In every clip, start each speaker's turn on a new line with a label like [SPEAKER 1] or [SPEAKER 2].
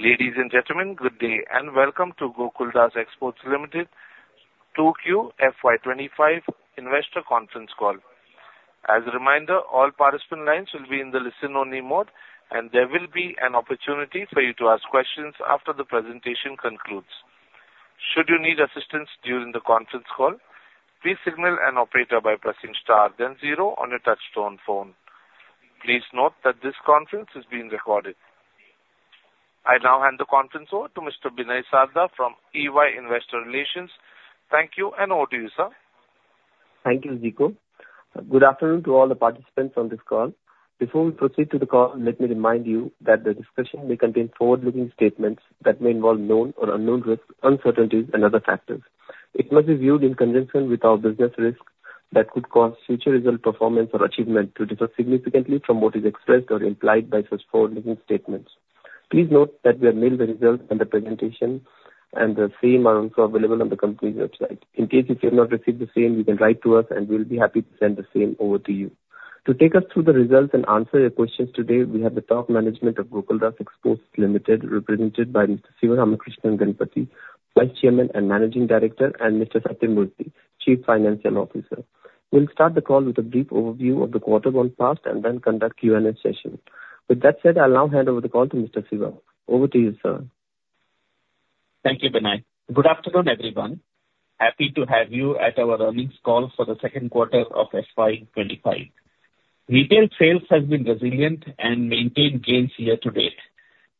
[SPEAKER 1] Ladies and Gentlemen, Good Day and Welcome to Gokaldas Exports Limited's 2Q FY25 Investor Conference Call. As a reminder, all participant lines will be in the listen-only mode, and there will be an opportunity for you to ask questions after the presentation concludes. Should you need assistance during the conference call, please signal an operator by pressing star then zero on your touch-tone phone. Please note that this conference is being recorded. I now hand the conference over to Mr. Binay Sarda from EY Investor Relations. Thank you and over to you, sir.
[SPEAKER 2] Thank you, Zico. Good afternoon to all the participants on this call. Before we proceed to the call, let me remind you that the discussion may contain forward-looking statements that may involve known or unknown risks, uncertainties, and other factors. It must be viewed in conjunction with our business risk that could cause future result performance or achievement to differ significantly from what is expressed or implied by such forward-looking statements. Please note that we have mailed the results and the presentation, and the same are also available on the company's website. In case you have not received the same, you can write to us, and we'll be happy to send the same over to you. To take us through the results and answer your questions today, we have the top management of Gokaldas Exports Limited, represented by Mr. Sivaramakrishnan Ganapathi, Vice Chairman and Managing Director, and Mr. Sathya Murthy, Chief Financial Officer. We'll start the call with a brief overview of the quarter gone past and then conduct a Q&A session. With that said, I'll now hand over the call to Mr. Siva. Over to you, sir.
[SPEAKER 3] Thank you, Binay. Good afternoon, everyone. Happy to have you at our earnings call for the second quarter of FY25. Retail sales have been resilient and maintained gains year to date.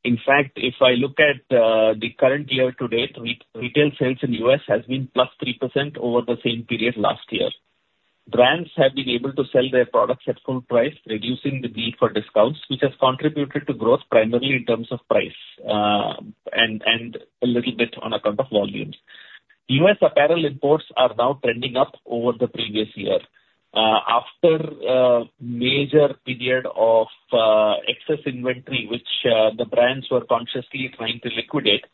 [SPEAKER 3] In fact, if I look at the current year to date, retail sales in the U.S. have been plus 3% over the same period last year. Brands have been able to sell their products at full price, reducing the need for discounts, which has contributed to growth primarily in terms of price and a little bit on account of volumes. U.S. apparel imports are now trending up over the previous year. After a major period of excess inventory, which the brands were consciously trying to liquidate,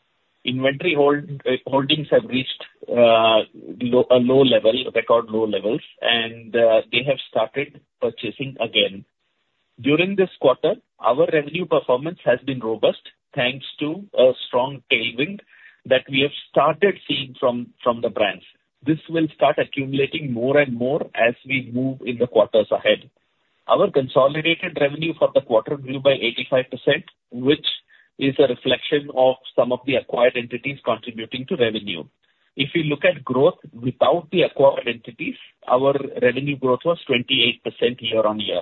[SPEAKER 3] inventory holdings have reached a low level, record low levels, and they have started purchasing again. During this quarter, our revenue performance has been robust thanks to a strong tailwind that we have started seeing from the brands. This will start accumulating more and more as we move in the quarters ahead. Our consolidated revenue for the quarter grew by 85%, which is a reflection of some of the acquired entities contributing to revenue. If you look at growth without the acquired entities, our revenue growth was 28% year-on-year,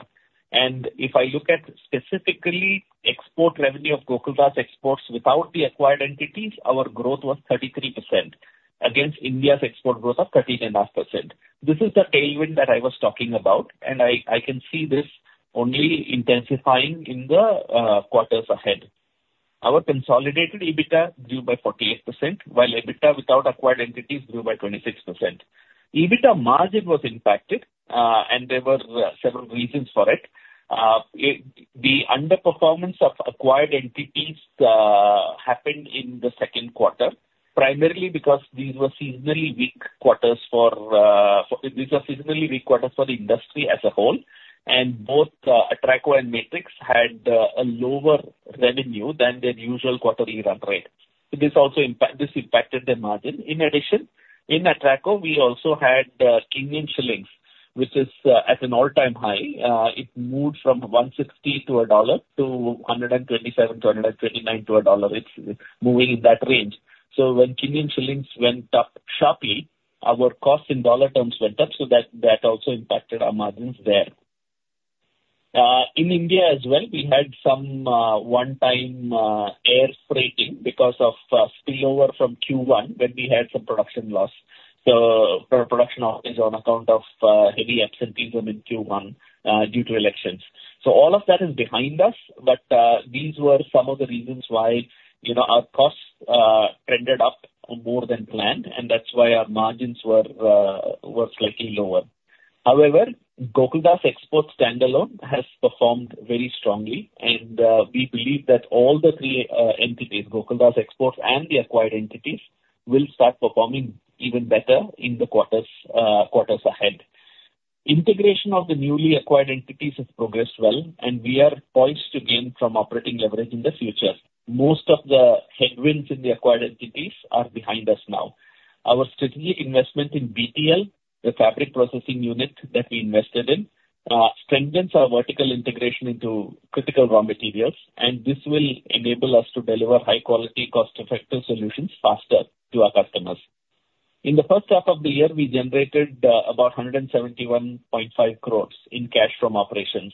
[SPEAKER 3] and if I look at specifically export revenue of Gokaldas Exports without the acquired entities, our growth was 33% against India's export growth of 13.5%. This is the tailwind that I was talking about, and I can see this only intensifying in the quarters ahead. Our consolidated EBITDA grew by 48%, while EBITDA without acquired entities grew by 26%. EBITDA margin was impacted, and there were several reasons for it. The underperformance of acquired entities happened in the second quarter, primarily because these were seasonally weak quarters for the industry as a whole, and both Atraco and Matrix had a lower revenue than their usual quarterly run rate. This impacted their margin. In addition, in Atraco, we also had Kenyan Shillings, which is at an all-time high. It moved from 160 to a dollar to 127-129 to a dollar. It's moving in that range. So when Kenyan Shillings went up sharply, our cost in dollar terms went up, so that also impacted our margins there. In India as well, we had some one-time air freighting because of spillover from Q1 when we had some production loss. So production loss is on account of heavy absenteeism in Q1 due to elections. All of that is behind us, but these were some of the reasons why our costs trended up more than planned, and that's why our margins were slightly lower. However, Gokaldas Exports standalone has performed very strongly, and we believe that all the three entities, Gokaldas Exports and the acquired entities, will start performing even better in the quarters ahead. Integration of the newly acquired entities has progressed well, and we are poised to gain from operating leverage in the future. Most of the headwinds in the acquired entities are behind us now. Our strategic investment in BTL, the fabric processing unit that we invested in, strengthens our vertical integration into critical raw materials, and this will enable us to deliver high-quality, cost-effective solutions faster to our customers. In the first half of the year, we generated about 171.5 crores in cash from operations.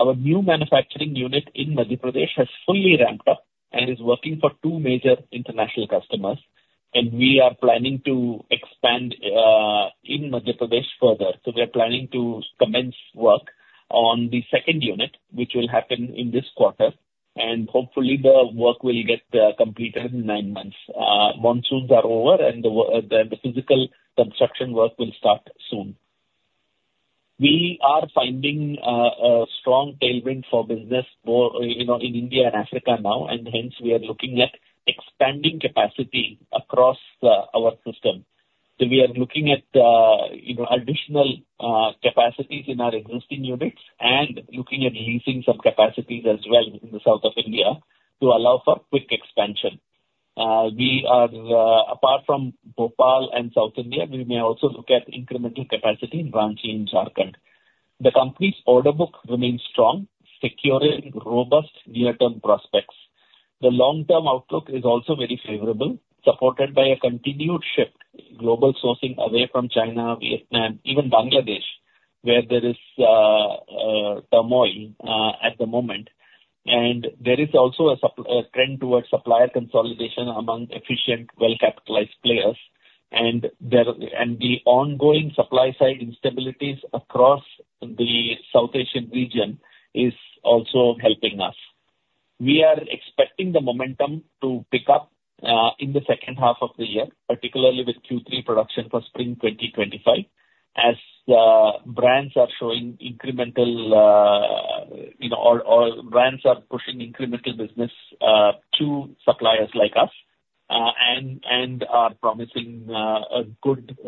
[SPEAKER 3] Our new manufacturing unit in Madhya Pradesh has fully ramped up and is working for two major international customers, and we are planning to expand in Madhya Pradesh further. So we are planning to commence work on the second unit, which will happen in this quarter, and hopefully, the work will get completed in nine months. Monsoons are over, and the physical construction work will start soon. We are finding a strong tailwind for business in India and Africa now, and hence, we are looking at expanding capacity across our system. So we are looking at additional capacities in our existing units and looking at leasing some capacities as well in South India to allow for quick expansion. Apart from Bhopal and South India, we may also look at incremental capacity in Ranchi and Jharkhand. The company's order book remains strong, securing robust near-term prospects. The long-term outlook is also very favorable, supported by a continued shift in global sourcing away from China, Vietnam, even Bangladesh, where there is turmoil at the moment. There is also a trend towards supplier consolidation among efficient, well-capitalized players, and the ongoing supply-side instabilities across the South Asian region are also helping us. We are expecting the momentum to pick up in the second half of the year, particularly with Q3 production for Spring 2025, as brands are pushing incremental business to suppliers like us and are promising a good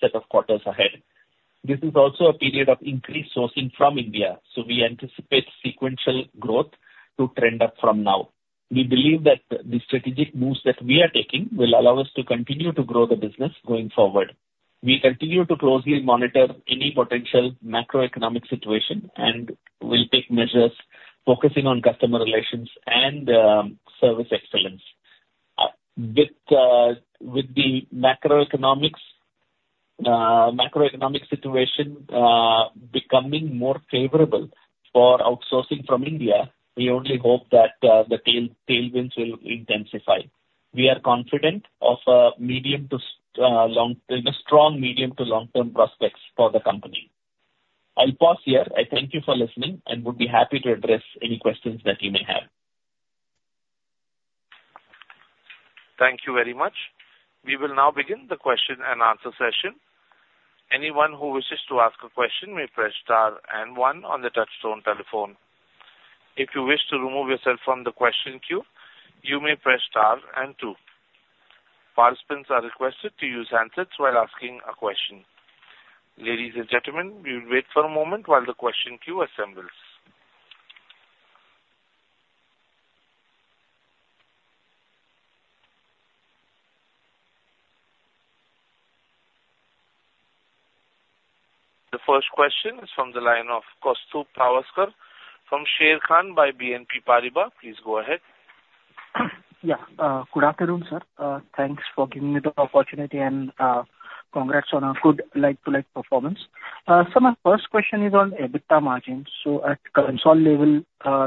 [SPEAKER 3] set of quarters ahead. This is also a period of increased sourcing from India, so we anticipate sequential growth to trend up from now. We believe that the strategic moves that we are taking will allow us to continue to grow the business going forward. We continue to closely monitor any potential macroeconomic situation and will take measures focusing on customer relations and service excellence. With the macroeconomic situation becoming more favorable for outsourcing from India, we only hope that the tailwinds will intensify. We are confident of a strong medium to long-term prospects for the company. I'll pause here. I thank you for listening and would be happy to address any questions that you may have.
[SPEAKER 1] Thank you very much. We will now begin the question and answer session. Anyone who wishes to ask a question may press star and one on the touch-tone telephone. If you wish to remove yourself from the question queue, you may press star and two. Participants are requested to use handsets while asking a question. Ladies and gentlemen, we will wait for a moment while the question queue assembles. The first question is from the line of Kaustubh Pawaskar from Sharekhan by BNP Paribas. Please go ahead.
[SPEAKER 4] Yeah. Good afternoon, sir. Thanks for giving me the opportunity and congrats on a good like-for-like performance. Sir, my first question is on EBITDA margins. So at consolidated level,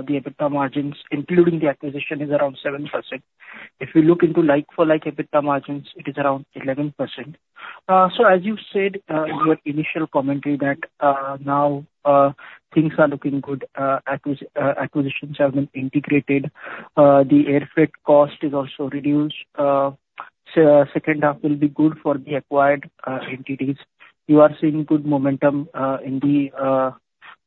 [SPEAKER 4] the EBITDA margins, including the acquisition, is around 7%. If we look into like-for-like EBITDA margins, it is around 11%. So as you said in your initial commentary that now things are looking good, acquisitions have been integrated, the air freight cost is also reduced, second half will be good for the acquired entities. You are seeing good momentum in the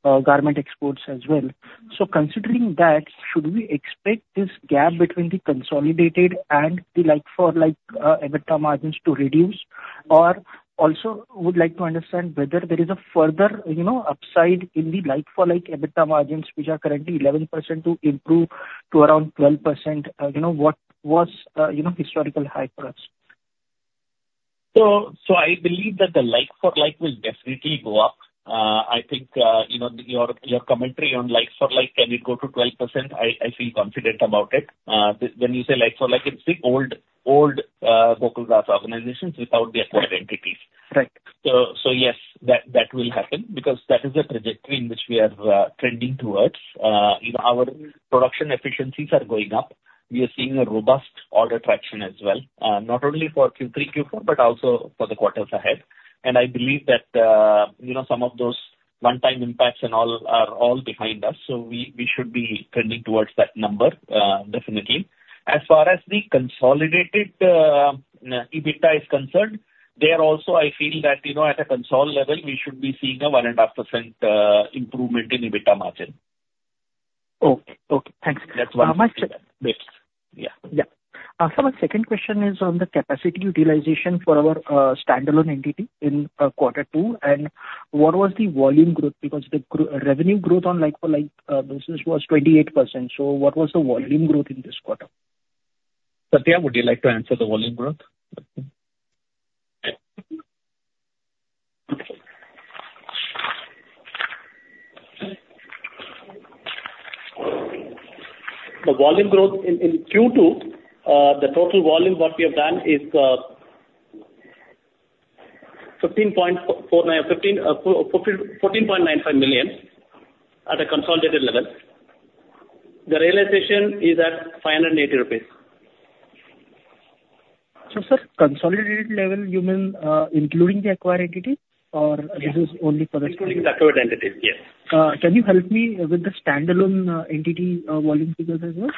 [SPEAKER 4] garment exports as well. So considering that, should we expect this gap between the consolidated and the like-for-like EBITDA margins to reduce? Or also would like to understand whether there is a further upside in the like-for-like EBITDA margins, which are currently 11%, to improve to around 12%, what was historical high for us?
[SPEAKER 3] I believe that the like-for-like will definitely go up. I think your commentary on like-for-like, can it go to 12%? I feel confident about it. When you say like-for-like, it's the old Gokaldas organizations without the acquired entities. Yes, that will happen because that is the trajectory in which we are trending towards. Our production efficiencies are going up. We are seeing a robust order traction as well, not only for Q3, Q4, but also for the quarters ahead. I believe that some of those one-time impacts are all behind us, so we should be trending towards that number, definitely. As far as the consolidated EBITDA is concerned, there also, I feel that at a consolidated level, we should be seeing a 1.5% improvement in EBITDA margin.
[SPEAKER 4] Okay. Okay. Thanks.
[SPEAKER 3] That's one question.
[SPEAKER 4] Yeah. Yeah. Sir, my second question is on the capacity utilization for our standalone entity in quarter two, and what was the volume growth? Because the revenue growth on like-for-like business was 28%. So what was the volume growth in this quarter?
[SPEAKER 3] Sathya, would you like to answer the volume growth?
[SPEAKER 5] The volume growth in Q2, the total volume what we have done is 14.95 million at a consolidated level. The realization is at 580 rupees.
[SPEAKER 4] Sir, consolidated level, you mean including the acquired entities or this is only for the?
[SPEAKER 3] Including the acquired entities, yes.
[SPEAKER 4] Can you help me with the standalone entity volume figures as well?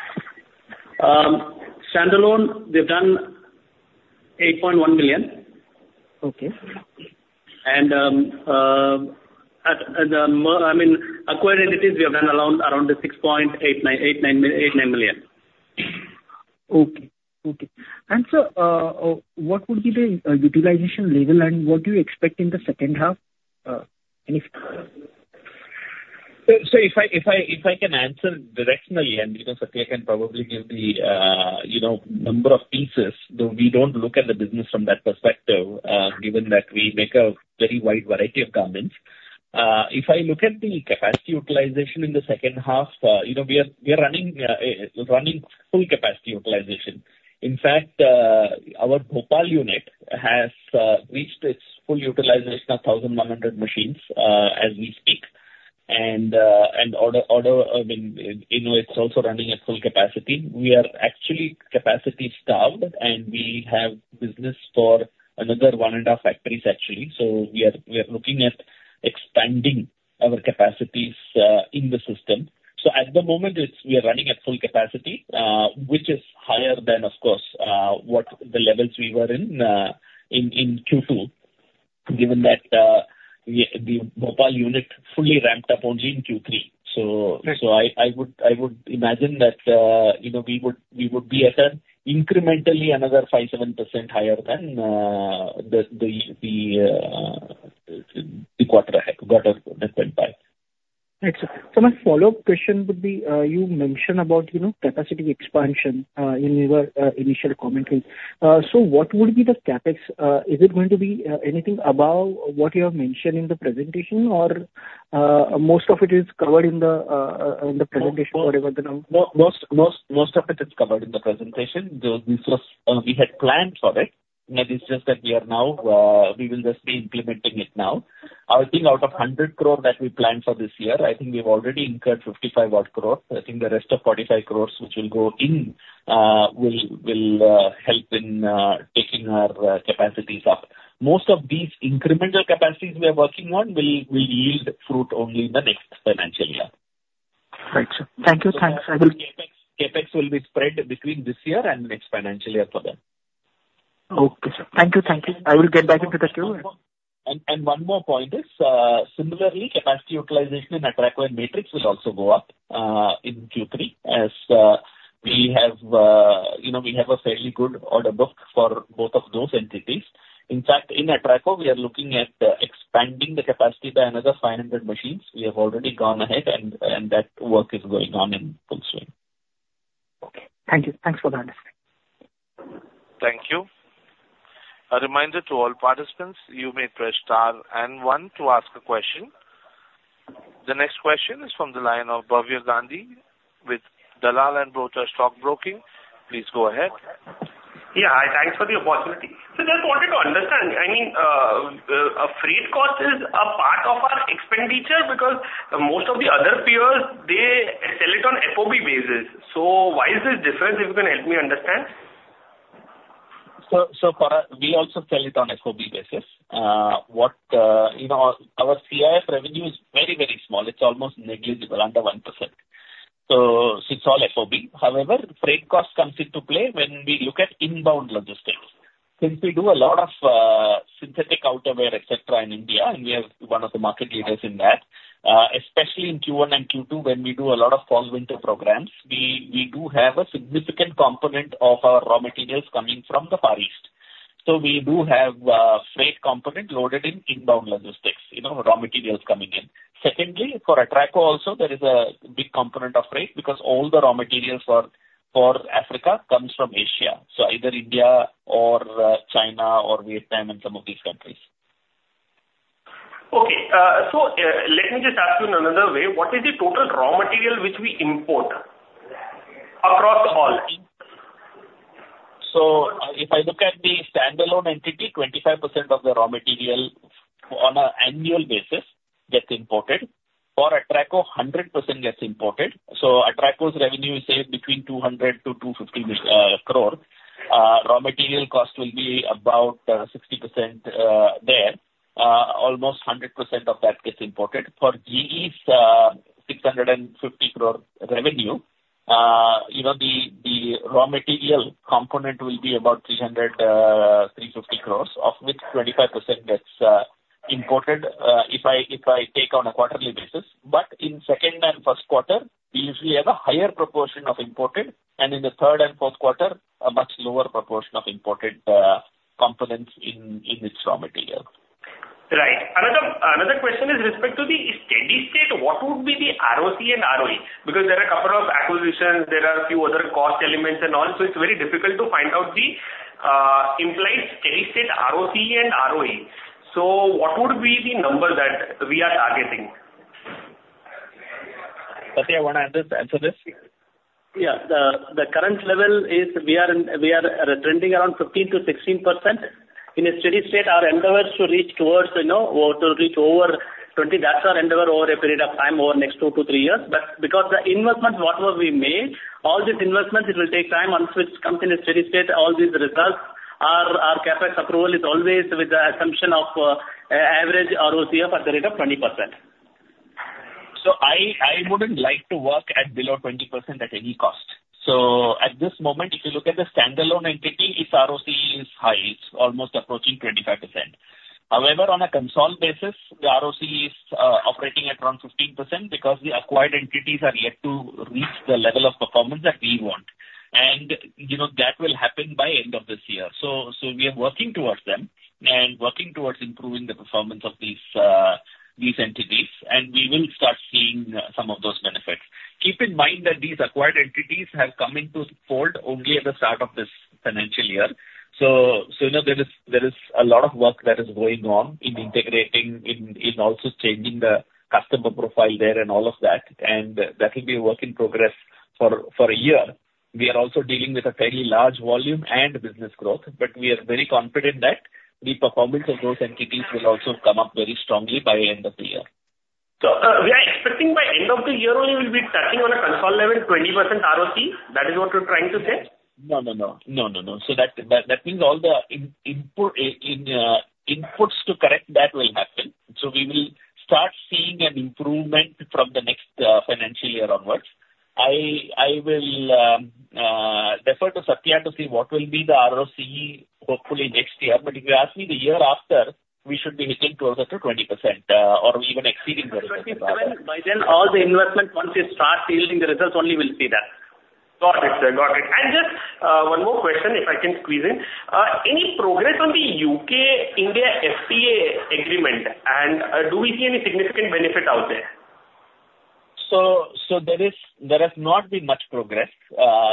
[SPEAKER 5] Standalone, we've done 8.1 million. And I mean, acquired entities, we have done around 6.89 million.
[SPEAKER 4] Okay. Okay, and sir, what would be the utilization level and what do you expect in the second half?
[SPEAKER 3] If I can answer directionally, and Sathya can probably give the number of pieces, though we don't look at the business from that perspective, given that we make a very wide variety of garments. If I look at the capacity utilization in the second half, we are running full capacity utilization. In fact, our Bhopal unit has reached its full utilization of 1,100 machines as we speak. And it's also running at full capacity. We are actually capacity-starved, and we have business for another one and a half factories, actually. We are looking at expanding our capacities in the system. At the moment, we are running at full capacity, which is higher than, of course, what the levels we were in Q2, given that the Bhopal unit fully ramped up only in Q3. So I would imagine that we would be at an incrementally another 5%-7% higher than the quarter ahead, quarter that went by.
[SPEAKER 4] Right. Sir, my follow-up question would be, you mentioned about capacity expansion in your initial commentary. So what would be the CapEx? Is it going to be anything above what you have mentioned in the presentation, or most of it is covered in the presentation?
[SPEAKER 3] Most of it is covered in the presentation. We had planned for it. It's just that we are now, we will just be implementing it now. I think out of 100 crore that we planned for this year, I think we've already incurred 55-odd crore. I think the rest of 45 crores, which will go in, will help in taking our capacities up. Most of these incremental capacities we are working on will yield fruit only in the next financial year.
[SPEAKER 4] Right. Thank you. Thanks.
[SPEAKER 3] CapEx will be spread between this year and next financial year for them.
[SPEAKER 4] Okay. Thank you. Thank you. I will get back into the queue.
[SPEAKER 3] One more point is, similarly, capacity utilization in Atraco and Matrix will also go up in Q3 as we have a fairly good order book for both of those entities. In fact, in Atraco, we are looking at expanding the capacity by another 500 machines. We have already gone ahead, and that work is going on in full swing.
[SPEAKER 4] Okay. Thank you. Thanks for that.
[SPEAKER 1] Thank you. A reminder to all participants, you may press star and one to ask a question. The next question is from the line of Bhavya Gandhi with Dalal and Broacha Stock Broking. Please go ahead.
[SPEAKER 6] Yeah. I thank you for the opportunity. Sir, just wanted to understand. I mean, freight cost is a part of our expenditure because most of the other peers, they sell it on FOB basis. So why is this different? If you can help me understand.
[SPEAKER 3] Sir, we also sell it on FOB basis. Our CIF revenue is very, very small. It's almost negligible, under 1%. So it's all FOB. However, freight cost comes into play when we look at inbound logistics. Since we do a lot of synthetic outerwear, etc., in India, and we are one of the market leaders in that, especially in Q1 and Q2, when we do a lot of Fall-Winter programs, we do have a significant component of our raw materials coming from the Far East. So we do have a freight component loaded in inbound logistics, raw materials coming in. Secondly, for Atraco also, there is a big component of freight because all the raw materials for Africa come from Asia. So either India or China or Vietnam and some of these countries.
[SPEAKER 6] Okay. So let me just ask you in another way. What is the total raw material which we import across all?
[SPEAKER 3] If I look at the standalone entity, 25% of the raw material on an annual basis gets imported. For Atraco, 100% gets imported. Atraco's revenue is between 200 to 250 crore. Raw material cost will be about 60% there. Almost 100% of that gets imported. For GE's 650 crore revenue, the raw material component will be about 300-350 crores, of which 25% gets imported if I take on a quarterly basis. But in second and first quarter, we usually have a higher proportion of imported, and in the third and fourth quarter, a much lower proportion of imported components in its raw material.
[SPEAKER 6] Right. Another question with respect to the steady state, what would be the ROC and ROE? Because there are a couple of acquisitions. There are a few other cost elements and all. So it's very difficult to find out the implied steady state ROC and ROE. So what would be the number that we are targeting?
[SPEAKER 3] Sathya, you want to answer this?
[SPEAKER 5] Yeah. The current level is, we are trending around 15%-16%. In a steady state, our endeavors to reach towards or to reach over 20%, that's our endeavor over a period of time over the next two to three years. But because the investment, whatever we made, all these investments, it will take time. Once it comes in a steady state, all these results, our CapEx approval is always with the assumption of average ROC at the rate of 20%.
[SPEAKER 3] So I wouldn't like to work at below 20% at any cost. So at this moment, if you look at the standalone entity, its ROC is high, it's almost approaching 25%. However, on a consolidated basis, the ROC is operating at around 15% because the acquired entities are yet to reach the level of performance that we want. And that will happen by end of this year. So we are working towards them and working towards improving the performance of these entities, and we will start seeing some of those benefits. Keep in mind that these acquired entities have come into the fold only at the start of this financial year. So there is a lot of work that is going on in integrating, in also changing the customer profile there and all of that. And that will be a work in progress for a year. We are also dealing with a fairly large volume and business growth, but we are very confident that the performance of those entities will also come up very strongly by end of the year.
[SPEAKER 6] We are expecting by end of the year only we'll be touching on a constant level 20% ROC? That is what you're trying to say?
[SPEAKER 3] No, no, no. No, no, no. So that means all the inputs to correct that will happen. So we will start seeing an improvement from the next financial year onwards. I will defer to Sathya to see what will be the ROC hopefully next year. But if you ask me the year after, we should be hitting closer to 20% or even exceeding 20%.
[SPEAKER 5] But by then, all the investment, once you start yielding the results, only we'll see that.
[SPEAKER 6] Got it. Got it. And just one more question, if I can squeeze in. Any progress on the U.K.-India FTA agreement? And do we see any significant benefit out there?
[SPEAKER 3] So there has not been much progress.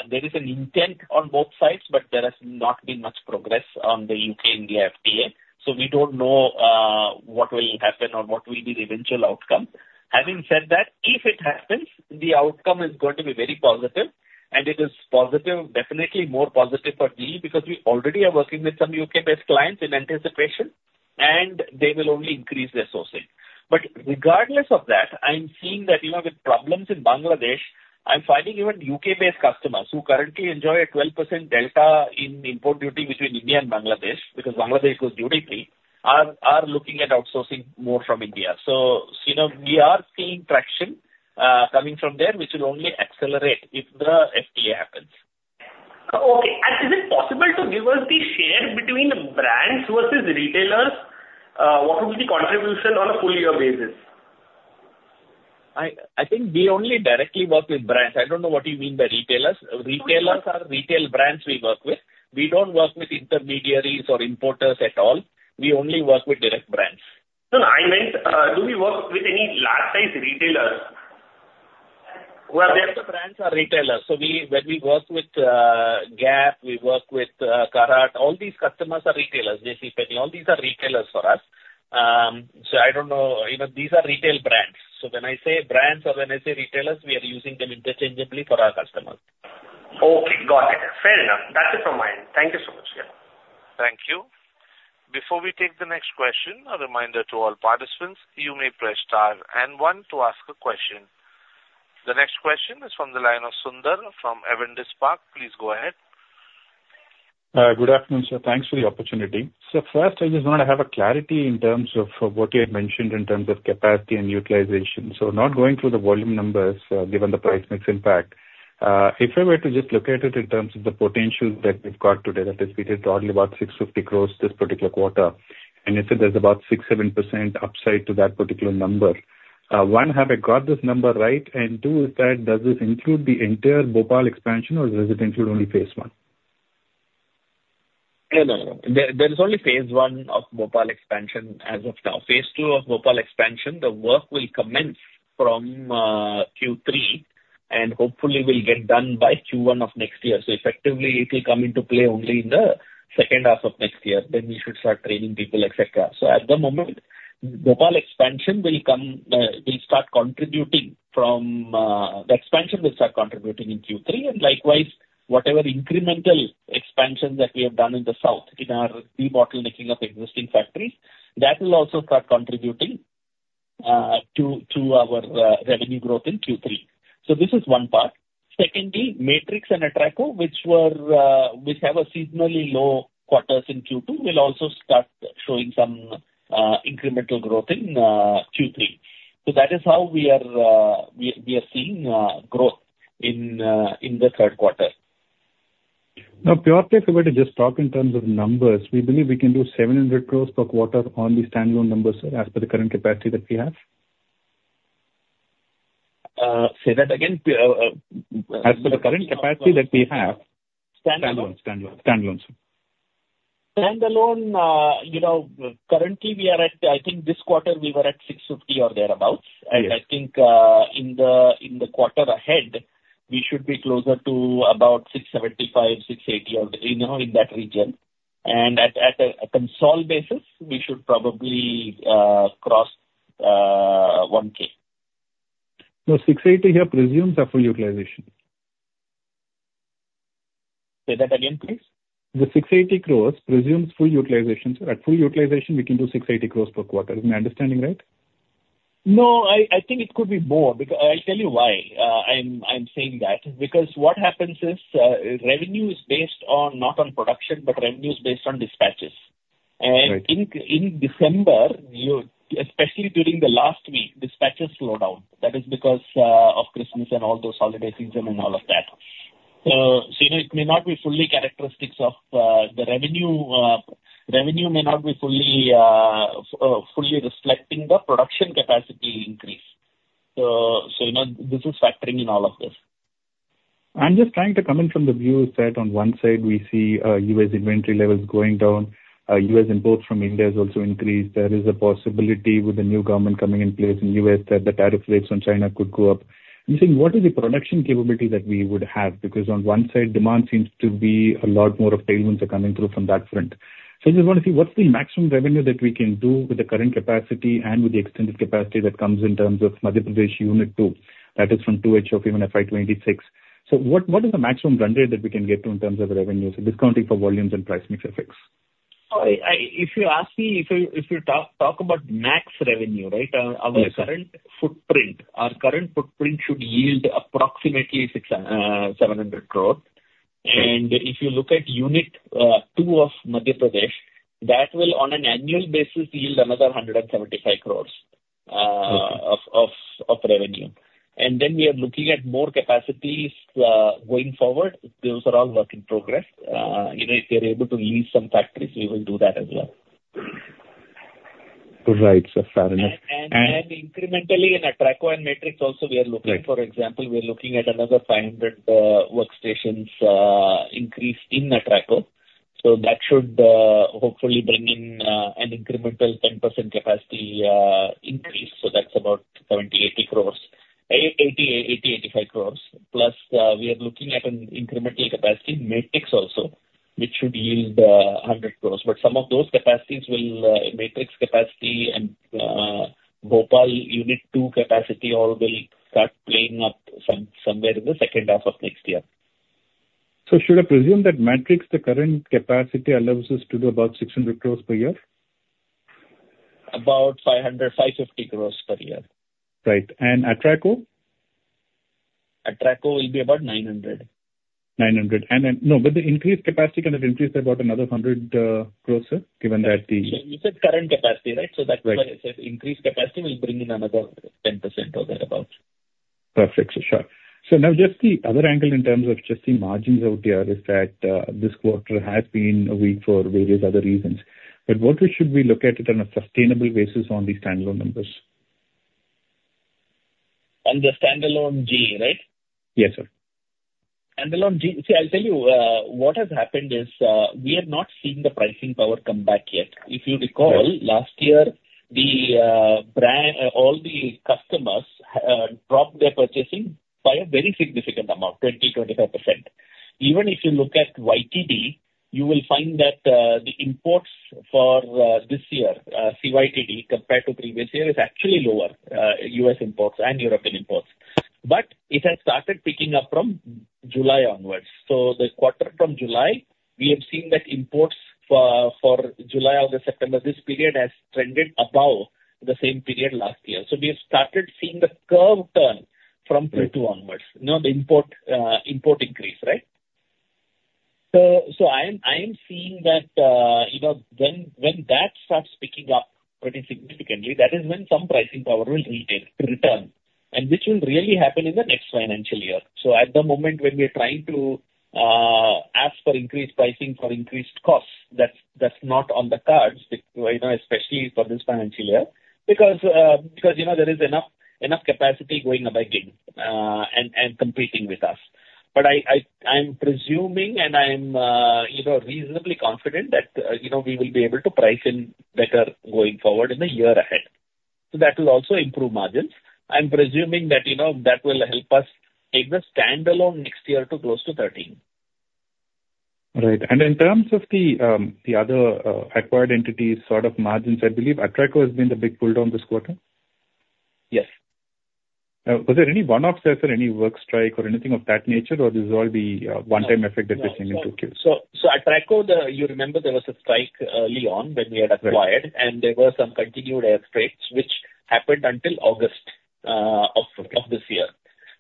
[SPEAKER 3] There is an intent on both sides, but there has not been much progress on the U.K.-India FTA. So we don't know what will happen or what will be the eventual outcome. Having said that, if it happens, the outcome is going to be very positive. And it is positive, definitely more positive for GE because we already are working with some U.K.-based clients in anticipation, and they will only increase their sourcing. But regardless of that, I'm seeing that with problems in Bangladesh, I'm finding even U.K.-based customers who currently enjoy a 12% delta in import duty between India and Bangladesh because Bangladesh goes duty-free are looking at outsourcing more from India. So we are seeing traction coming from there, which will only accelerate if the FTA happens.
[SPEAKER 6] Okay. And is it possible to give us the share between brands versus retailers? What would be the contribution on a full-year basis?
[SPEAKER 3] I think we only directly work with brands. I don't know what you mean by retailers. Retailers are retail brands we work with. We don't work with intermediaries or importers at all. We only work with direct brands.
[SPEAKER 6] No, no. I meant, do we work with any large-sized retailers?
[SPEAKER 3] The brands are retailers. So when we work with Gap, we work with Carhartt. All these customers are retailers. JCPenney, all these are retailers for us. So I don't know. These are retail brands. So when I say brands or when I say retailers, we are using them interchangeably for our customers.
[SPEAKER 6] Okay. Got it. Fair enough. That's it from my end. Thank you so much. Yeah.
[SPEAKER 1] Thank you. Before we take the next question, a reminder to all participants, you may press star and one to ask a question. The next question is from the line of Sundar from Avendus Spark. Please go ahead.
[SPEAKER 7] Good afternoon, sir. Thanks for the opportunity. So first, I just wanted to have clarity in terms of what you had mentioned in terms of capacity and utilization. So not going through the volume numbers given the price mix impact. If I were to just look at it in terms of the potential that we've got today, that is, we did probably about 650 crores this particular quarter, and you said there's about 6-7% upside to that particular number. One, have I got this number right? And two, does this include the entire Bhopal expansion, or does it include only phase I?
[SPEAKER 3] No, no, no. There is only phase I of Bhopal expansion as of now. Phase II of Bhopal expansion, the work will commence from Q3 and hopefully will get done by Q1 of next year. Effectively, it will come into play only in the second half of next year. Then we should start training people, etc. At the moment, Bhopal expansion will start contributing in Q3. Likewise, whatever incremental expansion that we have done in the south, in our de-bottlenecking of existing factories, that will also start contributing to our revenue growth in Q3. This is one part. Secondly, Matrix and Atraco, which have seasonally low quarters in Q2, will also start showing some incremental growth in Q3. That is how we are seeing growth in the third quarter.
[SPEAKER 7] Now, Park, if you were to just talk in terms of numbers, we believe we can do 700 crores per quarter on the standalone numbers as per the current capacity that we have.
[SPEAKER 8] Say that again. As per the current capacity that we have.
[SPEAKER 7] Standalone. Standalone.
[SPEAKER 3] Standalone, currently, we are at. I think this quarter, we were at 650 or thereabouts. And I think in the quarter ahead, we should be closer to about 675, 680, or in that region. And at a consolidated basis, we should probably cross 1K.
[SPEAKER 7] Now, 680 here presumes that full utilization.
[SPEAKER 3] Say that again, please.
[SPEAKER 7] The 680 crores presumes full utilization. So at full utilization, we can do 680 crores per quarter. Is my understanding right?
[SPEAKER 8] No, I think it could be more because I'll tell you why I'm saying that. Because what happens is revenue is based on not on production, but revenue is based on dispatches. And in December, especially during the last week, dispatches slowed down. That is because of Christmas and all those holiday season and all of that. So it may not be fully characteristic of the revenue. The revenue may not be fully reflecting the production capacity increase. So this is factoring in all of this.
[SPEAKER 7] I'm just trying to comment from the views that on one side, we see U.S. inventory levels going down. U.S. imports from India have also increased. There is a possibility with the new government coming in place in the U.S. that the tariff rates on China could go up. You're saying, what is the production capability that we would have? Because on one side, demand seems to be a lot more of tailwinds are coming through from that front. So I just want to see what's the maximum revenue that we can do with the current capacity and with the extended capacity that comes in terms of Madhya Pradesh Unit 2, that is from 2H of FY26. So what is the maximum run rate that we can get to in terms of revenue, discounting for volumes and price mix effects?
[SPEAKER 3] If you ask me, if you talk about max revenue, right, our current footprint should yield approximately 700 crores. And if you look at Unit 2 of Madhya Pradesh, that will, on an annual basis, yield another 175 crores of revenue. And then we are looking at more capacities going forward. Those are all work in progress. If we are able to lease some factories, we will do that as well.
[SPEAKER 7] Right. So fair enough.
[SPEAKER 3] Incrementally in Atraco and Matrix also, we are looking, for example, we are looking at another 500 workstations increase in Atraco. So that should hopefully bring in an incremental 10% capacity increase. So that's about 70-80 crores, 80-85 crores. Plus, we are looking at an incremental capacity in Matrix also, which should yield 100 crores. But some of those capacities will Matrix capacity and Bhopal Unit 2 capacity all will start playing up somewhere in the second half of next year.
[SPEAKER 7] So should I presume that Matrix, the current capacity, allows us to do about 600 crores per year?
[SPEAKER 3] About 500-550 crores per year.
[SPEAKER 7] Right. And Atraco?
[SPEAKER 3] Atraco will be about 900.
[SPEAKER 7] And then, no, but the increased capacity can have increased by about another 100 crores, sir, given that the.
[SPEAKER 3] You said current capacity, right? So that's why I said increased capacity will bring in another 10% or thereabouts.
[SPEAKER 7] Perfect. Sure. So now just the other angle in terms of just the margins out there is that this quarter has been weak for various other reasons. But what should we look at it on a sustainable basis on these standalone numbers?
[SPEAKER 3] On the standalone GE, right?
[SPEAKER 7] Yes, sir.
[SPEAKER 3] Standalone GE. See, I'll tell you what has happened is we are not seeing the pricing power come back yet. If you recall, last year, all the customers dropped their purchasing by a very significant amount, 20%-25%. Even if you look at YTD, you will find that the imports for this year, CYTD, compared to previous year, is actually lower, U.S. imports and European imports. But it has started picking up from July onwards. So the quarter from July, we have seen that imports for July, August, September, this period has trended above the same period last year. So we have started seeing the curve turn from Q2 onwards. Now the import increase, right? So I am seeing that when that starts picking up pretty significantly, that is when some pricing power will return, and which will really happen in the next financial year. So at the moment, when we are trying to ask for increased pricing for increased costs, that's not on the cards, especially for this financial year, because there is enough capacity going up again and competing with us. But I'm presuming, and I'm reasonably confident that we will be able to price in better going forward in the year ahead. So that will also improve margins. I'm presuming that that will help us take the standalone next year to close to 13.
[SPEAKER 7] Right, and in terms of the other acquired entities, sort of margins, I believe Atraco has been the big pull down this quarter?
[SPEAKER 3] Yes.
[SPEAKER 7] Was there any one-off, sir, any work strike or anything of that nature, or this is all the one-time effect that we're seeing in Q2?
[SPEAKER 3] So Atraco, you remember there was a strike early on when we had acquired, and there were some continued airstrikes, which happened until August of this year.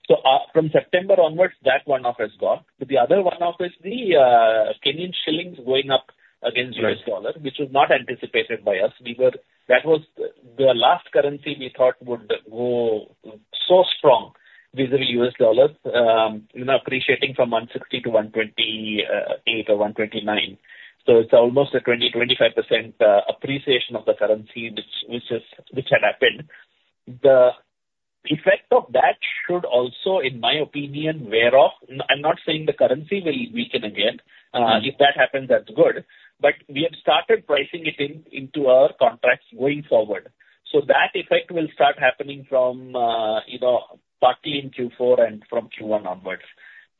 [SPEAKER 3] So from September onwards, that one-off has gone. But the other one-off is the Kenyan shillings going up against U.S. dollar, which was not anticipated by us. That was the last currency we thought would go so strong vis-à-vis U.S. dollar, appreciating from 160 to 128 or 129. So it's almost a 20%-25% appreciation of the currency, which had happened. The effect of that should also, in my opinion, wear off. I'm not saying the currency will weaken again. If that happens, that's good. But we have started pricing it into our contracts going forward. So that effect will start happening from partly in Q4 and from Q1 onwards.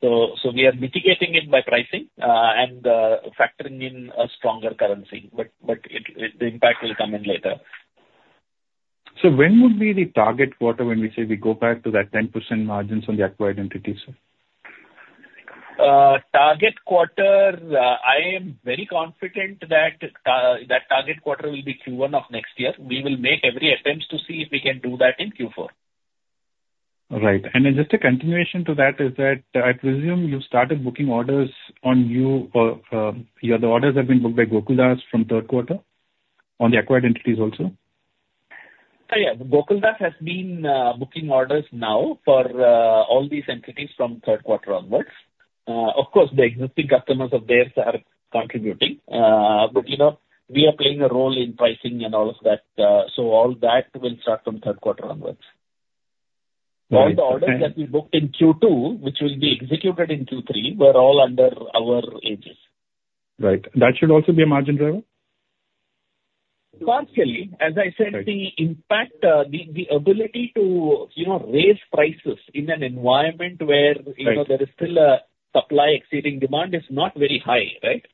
[SPEAKER 3] So we are mitigating it by pricing and factoring in a stronger currency. But the impact will come in later.
[SPEAKER 7] So when would be the target quarter when we say we go back to that 10% margins on the acquired entities, sir?
[SPEAKER 3] Target quarter, I am very confident that that target quarter will be Q1 of next year. We will make every attempt to see if we can do that in Q4.
[SPEAKER 7] Right. And then just a continuation to that is that I presume you started booking orders on you or the orders have been booked by Gokaldas from third quarter on the acquired entities also?
[SPEAKER 3] Yeah. Gokaldas has been booking orders now for all these entities from third quarter onwards. Of course, the existing customers of theirs are contributing. But we are playing a role in pricing and all of that. So all that will start from third quarter onwards. All the orders that we booked in Q2, which will be executed in Q3, were all under our aegis.
[SPEAKER 7] Right. That should also be a margin driver?
[SPEAKER 3] Partially. As I said, the impact, the ability to raise prices in an environment where there is still a supply exceeding demand is not very high, right?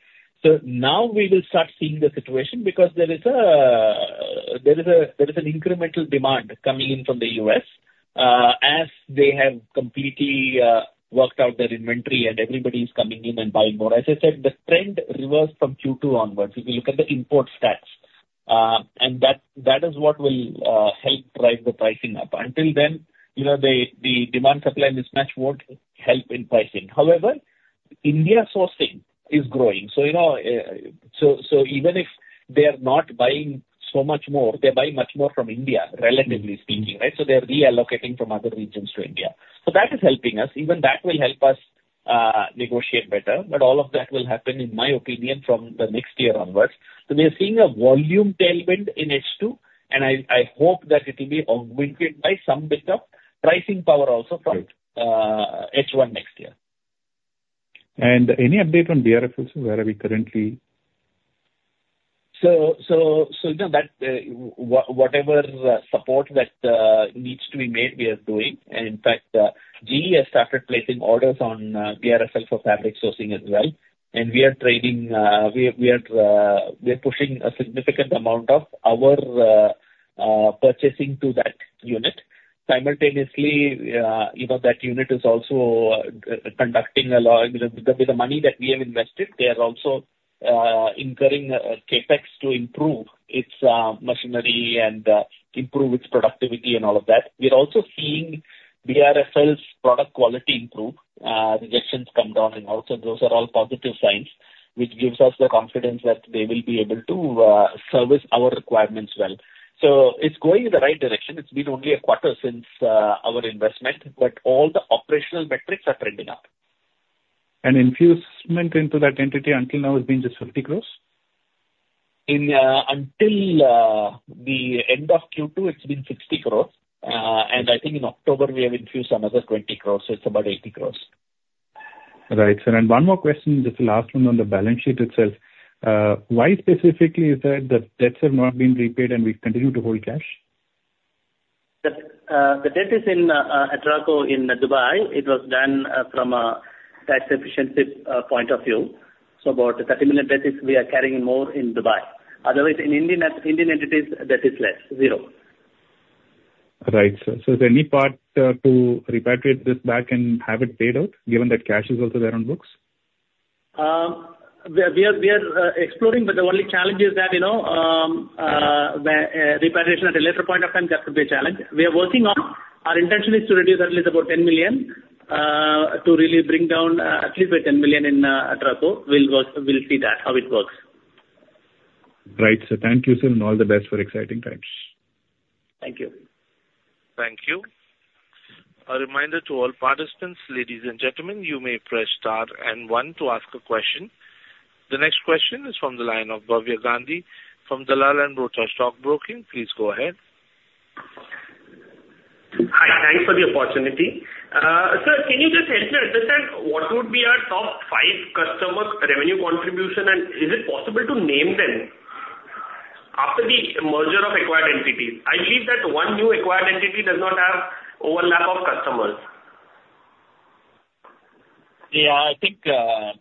[SPEAKER 3] So now we will start seeing the situation because there is an incremental demand coming in from the U.S. as they have completely worked out their inventory and everybody is coming in and buying more. As I said, the trend reversed from Q2 onwards. If you look at the import stats, and that is what will help drive the pricing up. Until then, the demand-supply mismatch won't help in pricing. However, India sourcing is growing. So even if they are not buying so much more, they buy much more from India, relatively speaking, right? So they are reallocating from other regions to India. So that is helping us. Even that will help us negotiate better. But all of that will happen, in my opinion, from the next year onwards. So we are seeing a volume tailwind in H2, and I hope that it will be augmented by some bit of pricing power also from H1 next year.
[SPEAKER 7] Any update on BRFL also, where are we currently?
[SPEAKER 3] So whatever support that needs to be made, we are doing. And in fact, GE has started placing orders on BRFL for fabric sourcing as well. And we are trading. We are pushing a significant amount of our purchasing to that unit. Simultaneously, that unit is also conducting a lot with the money that we have invested, they are also incurring CapEx to improve its machinery and improve its productivity and all of that. We are also seeing BRFL's product quality improve. Rejections come down, and also those are all positive signs, which gives us the confidence that they will be able to service our requirements well. So it's going in the right direction. It's been only a quarter since our investment, but all the operational metrics are trending up.
[SPEAKER 7] Investment into that entity until now has been just 50 crores?
[SPEAKER 3] Until the end of Q2, it's been 60 crores. And I think in October, we have infused another 20 crores, so it's about 80 crores.
[SPEAKER 7] Right. And then one more question, just the last one on the balance sheet itself. Why specifically is it that debts have not been repaid and we continue to hold cash?
[SPEAKER 5] The debt is in Atraco in Dubai. It was done from a tax efficiency point of view. So about $30 million debt, we are carrying more in Dubai. Otherwise, in Indian entities, debt is less, zero.
[SPEAKER 7] Right. So is there any path to repatriate this back and have it paid out, given that cash is also there on books?
[SPEAKER 5] We are exploring, but the only challenge is that repatriation at a later point of time, that could be a challenge. We are working on. Our intention is to reduce at least about 10 million to really bring down at least by 10 million in Atraco. We'll see that, how it works.
[SPEAKER 7] Right, so thank you, sir, and all the best for exciting times.
[SPEAKER 3] Thank you.
[SPEAKER 1] Thank you. A reminder to all participants, ladies and gentlemen, you may press star and one to ask a question. The next question is from the line of Bhavya Gandhi from Dalal and Broacha Stock Broking. Please go ahead.
[SPEAKER 6] Hi. Thanks for the opportunity. Sir, can you just help me understand what would be our top five customers' revenue contribution, and is it possible to name them after the merger of acquired entities? I believe that one new acquired entity does not have overlap of customers.
[SPEAKER 3] Yeah. I think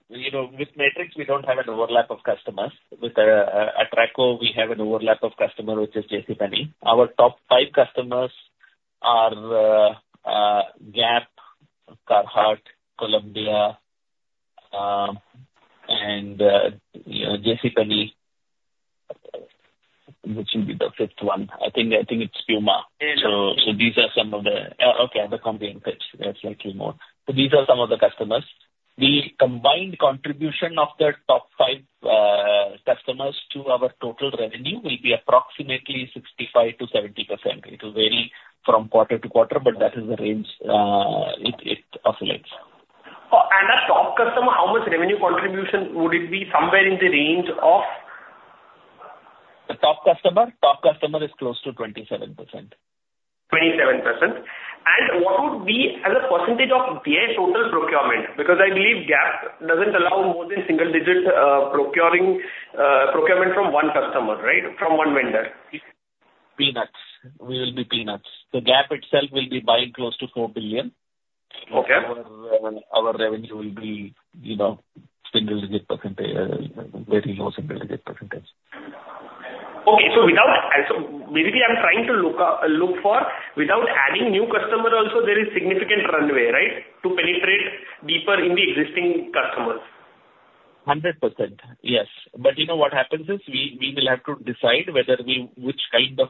[SPEAKER 3] with Matrix, we don't have an overlap of customers. With Atraco, we have an overlap of customer, which is JCPenney. Our top five customers are Gap, Carhartt, Columbia, and JCPenney, which will be the fifth one. I think it's Puma. So these are some of the okay, I have a comprehensive. There's slightly more. So these are some of the customers. The combined contribution of the top five customers to our total revenue will be approximately 65%-70%. It will vary from quarter to quarter, but that is the range it oscillates.
[SPEAKER 6] That top customer, how much revenue contribution would it be? Somewhere in the range of?
[SPEAKER 5] The top customer? Top customer is close to 27%.
[SPEAKER 6] 27%. And what would be the percentage of their total procurement? Because I believe Gap doesn't allow more than single-digit procurement from one customer, right, from one vendor.
[SPEAKER 3] Peanuts. We will be peanuts. The Gap itself will be buying close to $4 billion. Our revenue will be single-digit %, very low single-digit %.
[SPEAKER 6] Okay, so maybe I'm trying to look for without adding new customers also, there is significant runway, right, to penetrate deeper in the existing customers?
[SPEAKER 3] 100%. Yes. But what happens is we will have to decide which kind of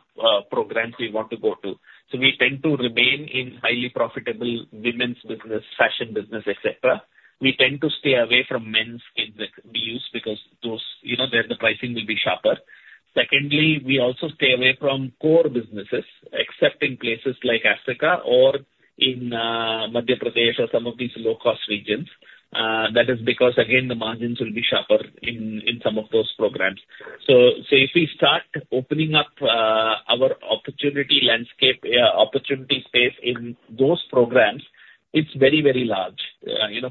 [SPEAKER 3] programs we want to go to. So we tend to remain in highly profitable women's business, fashion business, etc. We tend to stay away from men's knits that we use because there the pricing will be sharper. Secondly, we also stay away from core businesses, except in places like Africa or in Madhya Pradesh or some of these low-cost regions. That is because, again, the margins will be sharper in some of those programs. So if we start opening up our opportunity landscape, opportunity space in those programs, it's very, very large.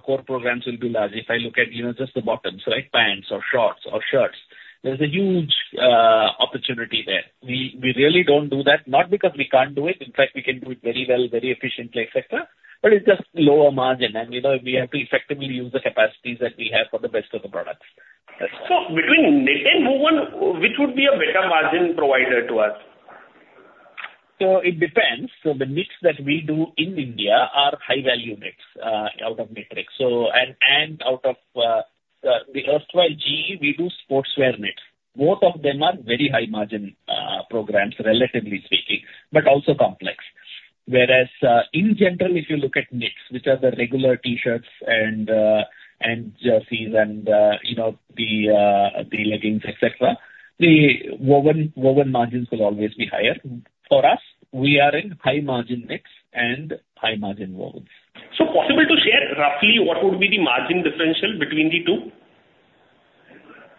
[SPEAKER 3] Core programs will be large. If I look at just the bottoms, right, pants or shorts or shirts, there's a huge opportunity there. We really don't do that, not because we can't do it. In fact, we can do it very well, very efficiently, etc. But it's just lower margin, and we have to effectively use the capacities that we have for the best of the products.
[SPEAKER 6] Between knit and woven, which would be a better margin provider to us?
[SPEAKER 3] It depends. The knits that we do in India are high-value knits out of Matrix. And out of the erstwhile GE, we do sportswear knits. Both of them are very high-margin programs, relatively speaking, but also complex. Whereas in general, if you look at knits, which are the regular T-shirts and jerseys and the leggings, etc., the woven margins will always be higher. For us, we are in high-margin knits and high-margin wovens.
[SPEAKER 6] So possible to share roughly what would be the margin differential between the two?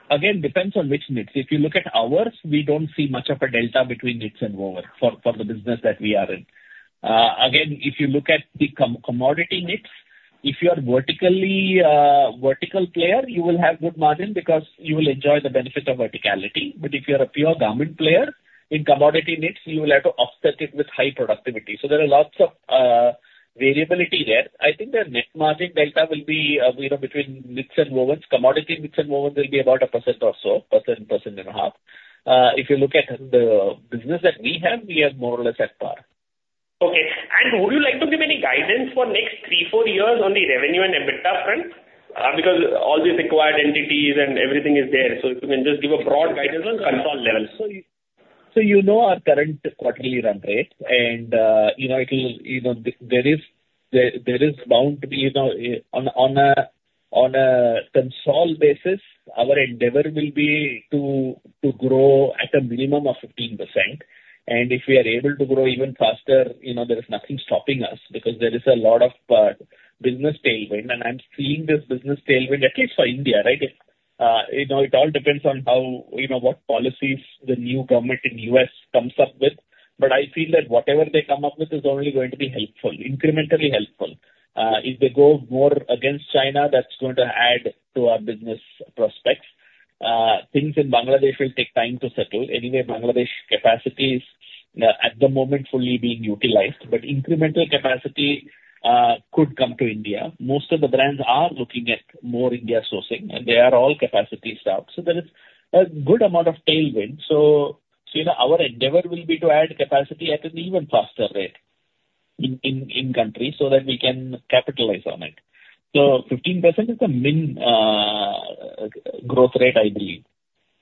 [SPEAKER 3] Again, depends on which knits. If you look at ours, we don't see much of a delta between knits and wovens for the business that we are in. Again, if you look at the commodity knits, if you are a vertical player, you will have good margin because you will enjoy the benefit of verticality. But if you're a pure garment player, in commodity knits, you will have to offset it with high productivity. So there are lots of variability there. I think the net margin delta will be between knits and wovens. Commodity knits and wovens will be about 1% or so, 1%, 1.5%. If you look at the business that we have, we are more or less at par.
[SPEAKER 6] Okay. And would you like to give any guidance for next three, four years on the revenue and EBITDA front?
[SPEAKER 3] Because all these acquired entities and everything is there. So if you can just give a broad guidance on consolidated level. So you know our current quarterly run rate, and there is bound to be on a constant basis, our endeavor will be to grow at a minimum of 15%. And if we are able to grow even faster, there is nothing stopping us because there is a lot of business tailwind. And I'm seeing this business tailwind, at least for India, right? It all depends on what policies the new government in the U.S. comes up with. But I feel that whatever they come up with is only going to be helpful, incrementally helpful. If they go more against China, that's going to add to our business prospects. Things in Bangladesh will take time to settle. Anyway, Bangladesh capacity is at the moment fully being utilized, but incremental capacity could come to India. Most of the brands are looking at more India sourcing, and they are all capacity constrained. There is a good amount of tailwind. Our endeavor will be to add capacity at an even faster rate in country so that we can capitalize on it. 15% is the main growth rate, I believe.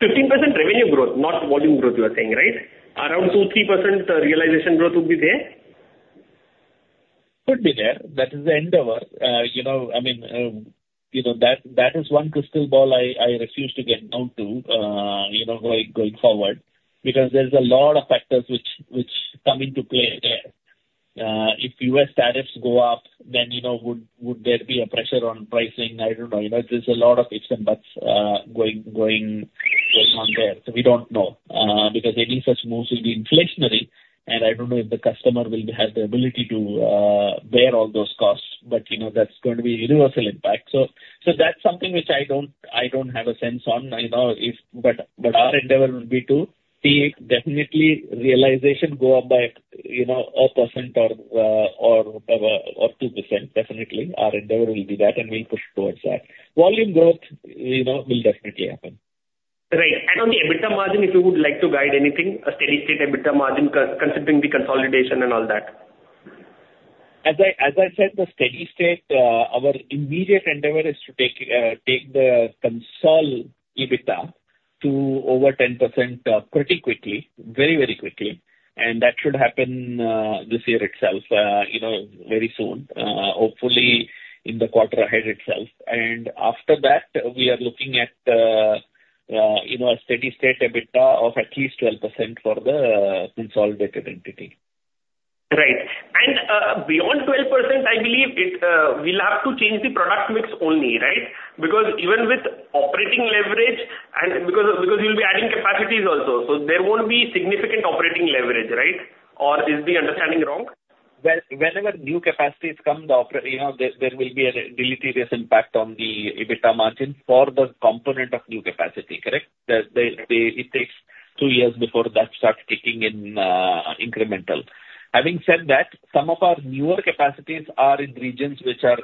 [SPEAKER 6] 15% revenue growth, not volume growth, you are saying, right? Around 2-3% realization growth would be there?
[SPEAKER 3] Could be there. That is the endeavor. I mean, that is one crystal ball I refuse to get down to going forward because there's a lot of factors which come into play there. If U.S. tariffs go up, then would there be a pressure on pricing? I don't know. There's a lot of ifs and buts going on there. So we don't know because any such moves will be inflationary, and I don't know if the customer will have the ability to bear all those costs, but that's going to be a universal impact. So that's something which I don't have a sense on. But our endeavor will be to see definitely realization go up by 1% or 2%. Definitely, our endeavor will be that, and we'll push towards that. Volume growth will definitely happen.
[SPEAKER 6] Right. And on the EBITDA margin, if you would like to guide anything, a steady-state EBITDA margin considering the consolidation and all that?
[SPEAKER 3] As I said, the steady-state, our immediate endeavor is to take the consolidated EBITDA to over 10% pretty quickly, very, very quickly, and that should happen this year itself very soon, hopefully in the quarter ahead itself, and after that, we are looking at a steady-state EBITDA of at least 12% for the consolidated entity.
[SPEAKER 6] Right. And beyond 12%, I believe we'll have to change the product mix only, right? Because even with operating leverage and because you'll be adding capacities also, so there won't be significant operating leverage, right? Or is the understanding wrong?
[SPEAKER 3] Whenever new capacities come, there will be a deleterious impact on the EBITDA margin for the component of new capacity, correct? It takes two years before that starts kicking in incremental. Having said that, some of our newer capacities are in regions which are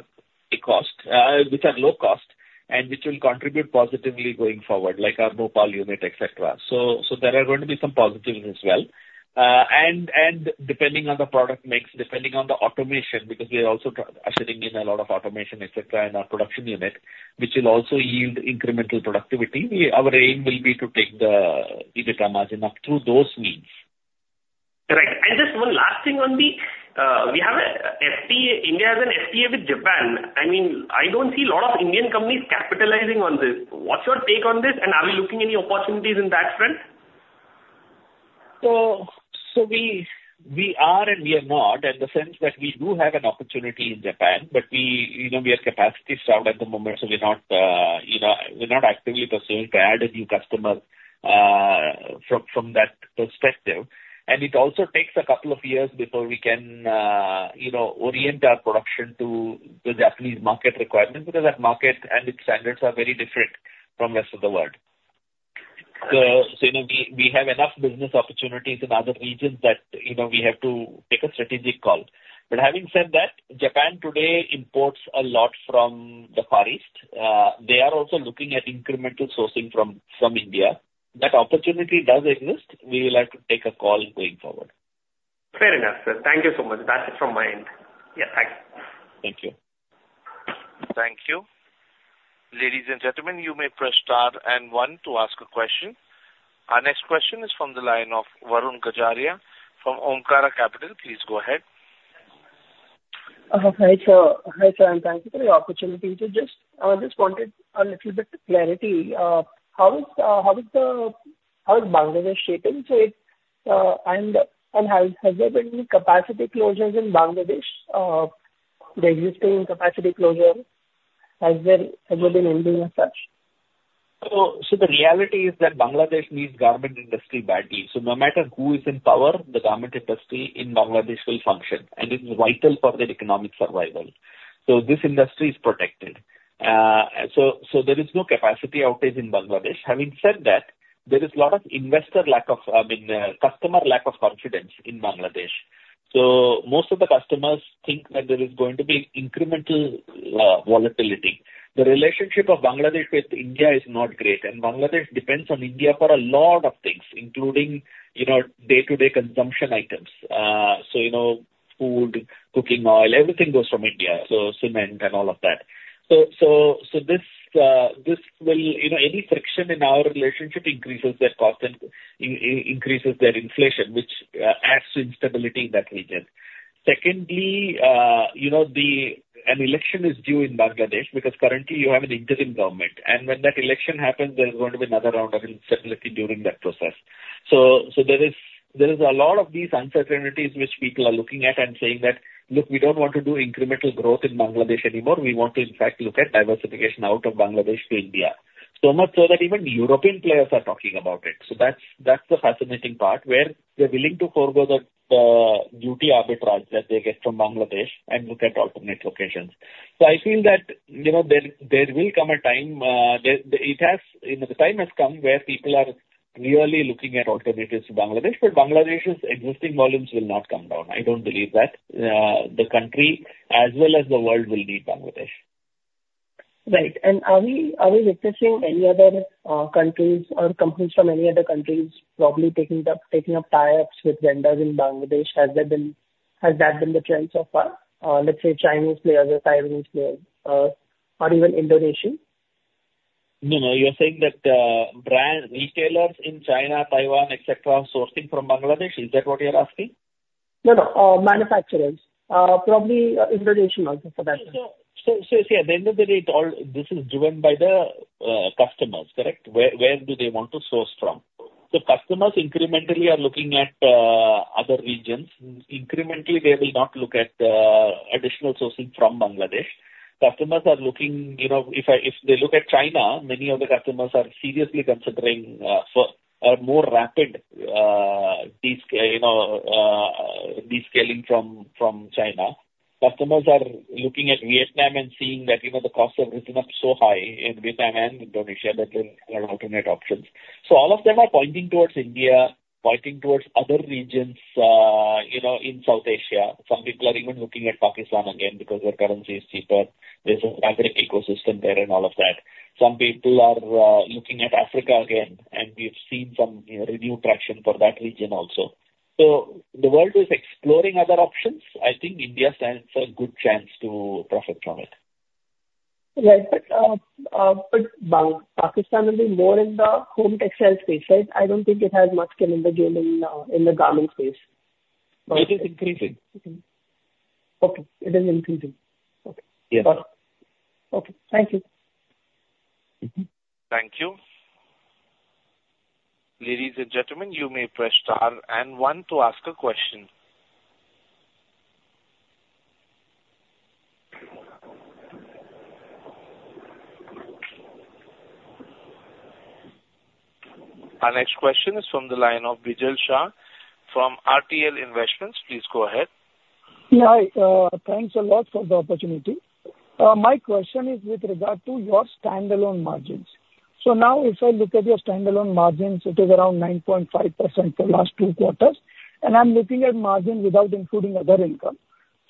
[SPEAKER 3] low-cost and which will contribute positively going forward, like our Bhopal unit, etc. So there are going to be some positives as well. And depending on the product mix, depending on the automation, because we are also shedding in a lot of automation, etc., and our production unit, which will also yield incremental productivity, our aim will be to take the EBITDA margin up through those means.
[SPEAKER 6] Correct, and just one last thing on the India has an FTA with Japan. I mean, I don't see a lot of Indian companies capitalizing on this. What's your take on this, and are we looking any opportunities in that front?
[SPEAKER 3] So we are and we are not in the sense that we do have an opportunity in Japan, but we have capacity stock at the moment, so we're not actively pursuing to add a new customer from that perspective. And it also takes a couple of years before we can orient our production to the Japanese market requirements because that market and its standards are very different from the rest of the world. So we have enough business opportunities in other regions that we have to take a strategic call. But having said that, Japan today imports a lot from the Far East. They are also looking at incremental sourcing from India. That opportunity does exist. We will have to take a call going forward.
[SPEAKER 6] Fair enough, sir. Thank you so much. That's it from my end. Yeah. Thanks.
[SPEAKER 3] Thank you.
[SPEAKER 1] Thank you. Ladies and gentlemen, you may press star and one to ask a question. Our next question is from the line of Varun Gajaria from Omkara Capital. Please go ahead.
[SPEAKER 9] Hi. So, hi, sir. And thank you for the opportunity. I just wanted a little bit of clarity. How is Bangladesh shaping? And has there been any capacity closures in Bangladesh? The existing capacity closure, has there been anything as such?
[SPEAKER 3] So the reality is that Bangladesh needs garment industry badly. So no matter who is in power, the garment industry in Bangladesh will function. And it's vital for the economic survival. So this industry is protected. So there is no capacity outage in Bangladesh. Having said that, there is a lot of investor lack of, I mean, customer lack of confidence in Bangladesh. So most of the customers think that there is going to be incremental volatility. The relationship of Bangladesh with India is not great. And Bangladesh depends on India for a lot of things, including day-to-day consumption items. So food, cooking oil, everything goes from India, so cement and all of that. So this will any friction in our relationship increases their cost and increases their inflation, which adds to instability in that region. Secondly, an election is due in Bangladesh because currently you have an interim government. When that election happens, there's going to be another round of instability during that process, so there is a lot of these uncertainties which people are looking at and saying that, "Look, we don't want to do incremental growth in Bangladesh anymore. We want to, in fact, look at diversification out of Bangladesh to India," so much so that even European players are talking about it, so that's the fascinating part where they're willing to forgo the duty arbitrage that they get from Bangladesh and look at alternate locations, so I feel that there will come a time, the time has come where people are really looking at alternatives to Bangladesh, but Bangladesh's existing volumes will not come down. I don't believe that the country as well as the world will need Bangladesh.
[SPEAKER 9] Right. And are we witnessing any other countries or companies from any other countries probably taking up tie-ups with vendors in Bangladesh? Has that been the trend so far? Let's say Chinese players or Taiwanese players or even Indonesian?
[SPEAKER 3] No, no. You're saying that retailers in China, Taiwan, etc., are sourcing from Bangladesh? Is that what you're asking?
[SPEAKER 9] No, no. Manufacturers. Probably Indonesian also for that.
[SPEAKER 3] So at the end of the day, this is driven by the customers, correct? Where do they want to source from? So customers incrementally are looking at other regions. Incrementally, they will not look at additional sourcing from Bangladesh. Customers are looking if they look at China, many of the customers are seriously considering more rapid descaling from China. Customers are looking at Vietnam and seeing that the costs have risen up so high in Vietnam and Indonesia that there are alternate options. So all of them are pointing towards India, pointing towards other regions in South Asia. Some people are even looking at Pakistan again because their currency is cheaper. There's a fabric ecosystem there and all of that. Some people are even looking at Africa again, and we've seen some renewed traction for that region also. So the world is exploring other options. I think India stands a good chance to profit from it.
[SPEAKER 9] Right. But Pakistan will be more in the home textile space, right? I don't think it has much skin in the game in the garment space.
[SPEAKER 3] It is increasing.
[SPEAKER 9] Okay. It is increasing. Okay.
[SPEAKER 3] Yes.
[SPEAKER 9] Okay. Thank you.
[SPEAKER 1] Thank you. Ladies and gentlemen, you may press star and one to ask a question. Our next question is from the line of Bijay Shah from RTL Investments. Please go ahead.
[SPEAKER 10] Yeah. Thanks a lot for the opportunity. My question is with regard to your standalone margins. So now, if I look at your standalone margins, it is around 9.5% for the last two quarters. And I'm looking at margins without including other income.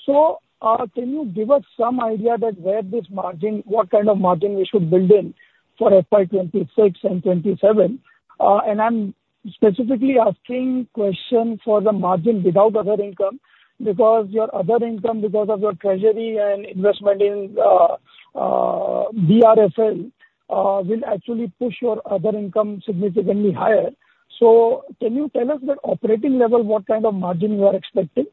[SPEAKER 10] So can you give us some idea that where this margin, what kind of margin we should build in for FY26 and FY27? And I'm specifically asking a question for the margin without other income because your other income, because of your treasury and investment in BRFL, will actually push your other income significantly higher. So can you tell us that operating level, what kind of margin you are expecting?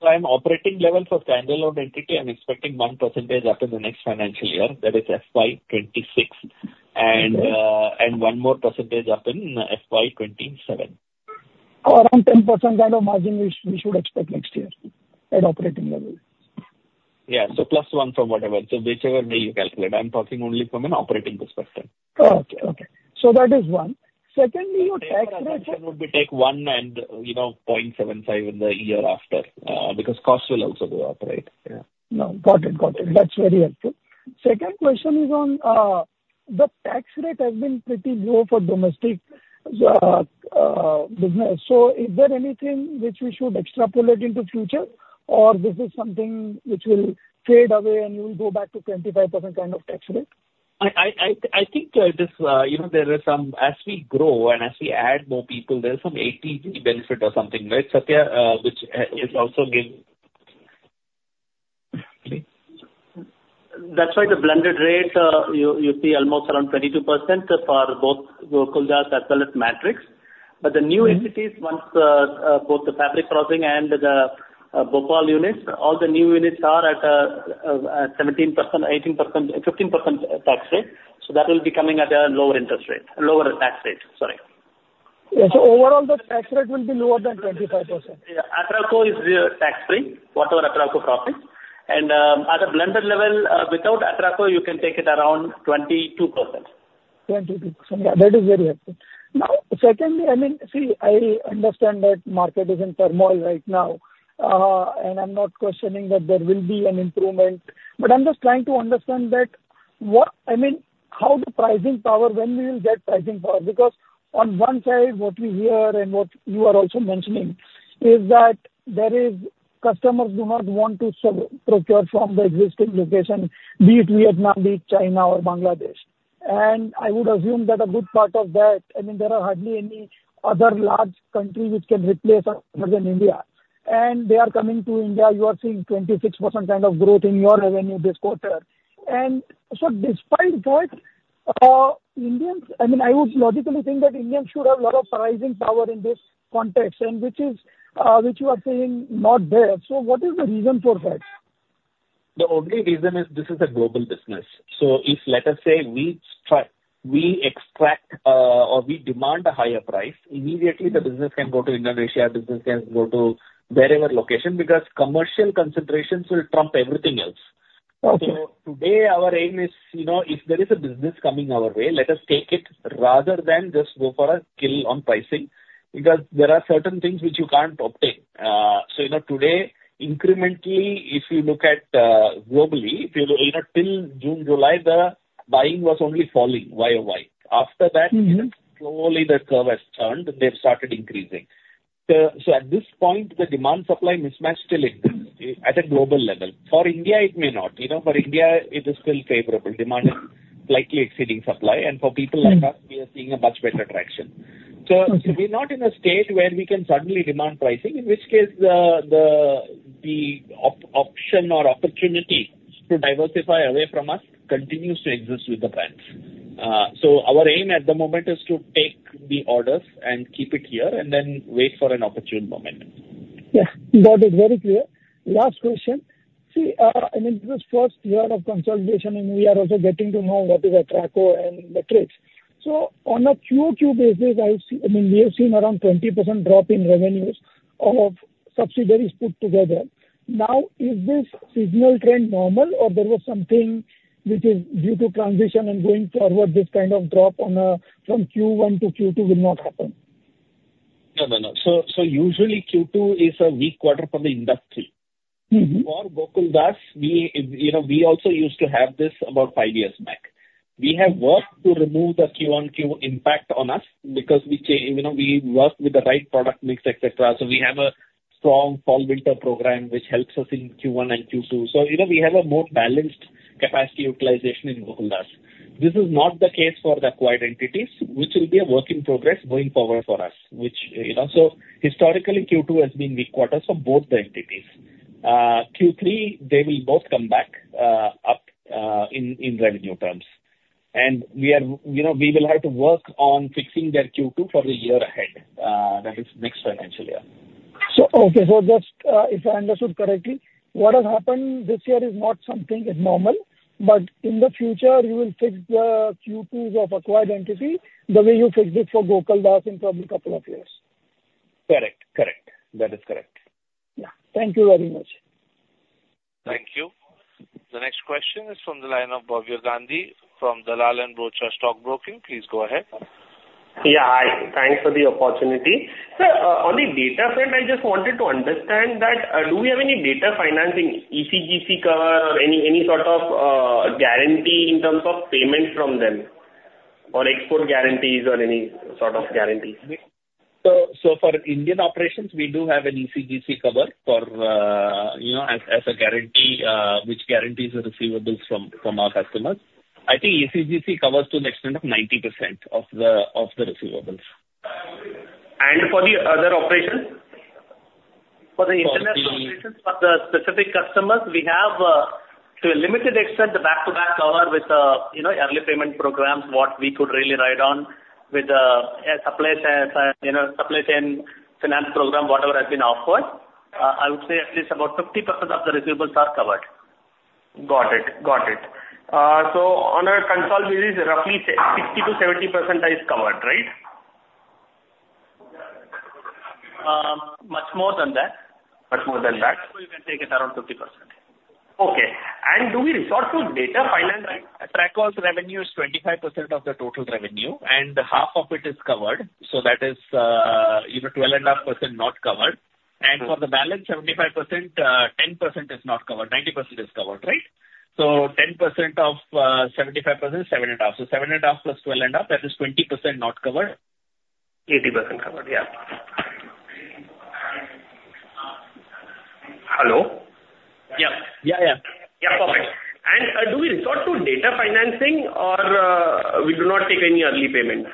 [SPEAKER 3] So, I'm operating leverage for standalone entity. I'm expecting 1% up in the next financial year. That is FY26, and one more % up in FY27.
[SPEAKER 10] Oh, around 10% kind of margin we should expect next year at operating level.
[SPEAKER 3] Yeah. So plus one from whatever. So whichever way you calculate. I'm talking only from an operating perspective.
[SPEAKER 10] That is one. Secondly, your tax rate?
[SPEAKER 3] So my expectation would be take one and 0.75 in the year after because costs will also go up, right?
[SPEAKER 10] Yeah. Got it. Got it. That's very helpful. Second question is on the tax rate has been pretty low for domestic business. So is there anything which we should extrapolate into future, or this is something which will fade away and you will go back to 25% kind of tax rate?
[SPEAKER 3] I think there is some as we grow and as we add more people, there's some 80JJAA benefit or something, right, Sathya, which is also giving?
[SPEAKER 5] That's why the blended rate, you see almost around 22% for both Gokaldas as well as Matrix. But the new entities, once both the fabric processing and the Bhopal units, all the new units are at a 17%, 18%, 15% tax rate. So that will be coming at a lower interest rate, lower tax rate. Sorry.
[SPEAKER 10] Yeah. So overall, the tax rate will be lower than 25%?
[SPEAKER 5] Yeah. Atraco is tax-free, whatever Atraco profits, and at a blended level, without Atraco, you can take it around 22%.
[SPEAKER 10] 22%. Yeah. That is very helpful. Now, secondly, I mean, see, I understand that market is in turmoil right now, and I'm not questioning that there will be an improvement. But I'm just trying to understand that, I mean, how the pricing power, when we will get pricing power? Because on one side, what we hear and what you are also mentioning is that there is customers do not want to procure from the existing location, be it Vietnam, be it China, or Bangladesh. And I would assume that a good part of that, I mean, there are hardly any other large countries which can replace other than India. And they are coming to India. You are seeing 26% kind of growth in your revenue this quarter. And so despite that, Indians, I mean, I would logically think that Indians should have a lot of pricing power in this context, which you are saying not there. So what is the reason for that?
[SPEAKER 3] The only reason is this is a global business. So if, let us say, we extract or we demand a higher price, immediately the business can go to Indonesia, business can go to wherever location because commercial considerations will trump everything else. So today, our aim is if there is a business coming our way, let us take it rather than just go for a kill on pricing because there are certain things which you can't obtain. So today, incrementally, if you look at globally, till June, July, the buying was only falling YoY. After that, slowly the curve has turned and they've started increasing. So at this point, the demand-supply mismatch still exists at a global level. For India, it may not. For India, it is still favorable. Demand is slightly exceeding supply. And for people like us, we are seeing a much better traction.
[SPEAKER 5] So we're not in a state where we can suddenly demand pricing, in which case the option or opportunity to diversify away from us continues to exist with the brands. So our aim at the moment is to take the orders and keep it here and then wait for an opportune moment.
[SPEAKER 10] Yeah. Got it. Very clear. Last question. See, I mean, this first year of consolidation, and we are also getting to know what is Atraco and the trades. So on a QoQ basis, I mean, we have seen around 20% drop in revenues of subsidiaries put together. Now, is this seasonal trend normal, or there was something which is due to transition and going forward, this kind of drop from Q1 to Q2 will not happen?
[SPEAKER 3] No, no, no. So usually, Q2 is a weak quarter for the industry. For Gokaldas, we also used to have this about five years back. We have worked to remove the Q1-Q2 impact on us because we work with the right product mix, etc. So we have a strong Fall-Winter program which helps us in Q1 and Q2. So we have a more balanced capacity utilization in Gokaldas. This is not the case for the acquired entities, which will be a work in progress going forward for us. So historically, Q2 has been weak quarters for both the entities. Q3, they will both come back up in revenue terms. And we will have to work on fixing their Q2 for the year ahead. That is next financial year.
[SPEAKER 10] Just if I understood correctly, what has happened this year is not something normal. But in the future, you will fix the Q2s of acquired entity the way you fixed it for Gokaldas in probably a couple of years.
[SPEAKER 3] Correct. Correct. That is correct.
[SPEAKER 10] Yeah. Thank you very much.
[SPEAKER 1] Thank you. The next question is from the line of Bhavya Gandhi from Dalal & Broacha Stock Broking. Please go ahead.
[SPEAKER 6] Yeah. Hi. Thanks for the opportunity. On the debt front, I just wanted to understand that do we have any debt financing ECGC cover or any sort of guarantee in terms of payment from them or export guarantees or any sort of guarantees?
[SPEAKER 3] So for Indian operations, we do have an ECGC cover as a guarantee which guarantees the receivables from our customers. I think ECGC covers to the extent of 90% of the receivables.
[SPEAKER 6] And for the other operations? For the international operations, for the specific customers, we have, to a limited extent, the back-to-back cover with early payment programs, what we could really ride on with a supply chain finance program, whatever has been offered. I would say at least about 50% of the receivables are covered. Got it. Got it. So on a consolidated, roughly 60%-70% is covered, right? Much more than that.
[SPEAKER 5] Much more than that.
[SPEAKER 3] We can take it around 50%.
[SPEAKER 6] Okay. And do we resort to debt finance? Atraco's revenue is 25% of the total revenue, and half of it is covered. So that is 12.5% not covered. And for the balance, 75%, 10% is not covered. 90% is covered, right? So 10% of 75% is 7.5%. So 7.5% plus 12.5%, that is 20% not covered.
[SPEAKER 3] 80% covered. Yeah.
[SPEAKER 6] Hello?
[SPEAKER 3] Yeah.
[SPEAKER 5] Yeah, yeah.
[SPEAKER 6] Yeah. Perfect. And do we resort to debt financing, or we do not take any early payment?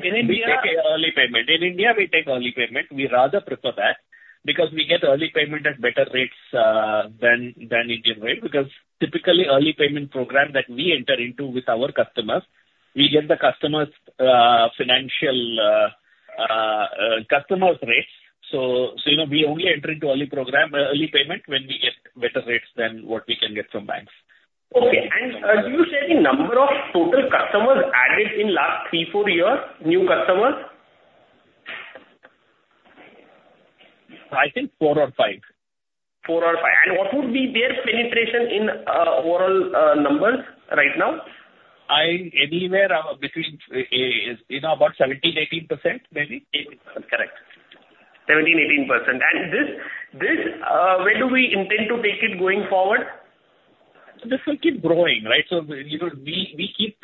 [SPEAKER 3] We take early payment. In India, we take early payment. We rather prefer that because we get early payment at better rates than Indian rate because typically, early payment program that we enter into with our customers, we get the customer's financial customer's rates. So we only enter into early payment when we get better rates than what we can get from banks.
[SPEAKER 6] Okay. And do you see any number of total customers added in the last three, four years, new customers?
[SPEAKER 3] I think four or five.
[SPEAKER 6] Four or five. And what would be their penetration in overall numbers right now?
[SPEAKER 3] Anywhere between about 17%-18%, maybe.
[SPEAKER 6] 18%.
[SPEAKER 3] Correct.
[SPEAKER 6] 17%-18%. And where do we intend to take it going forward?
[SPEAKER 3] This will keep growing, right? So we keep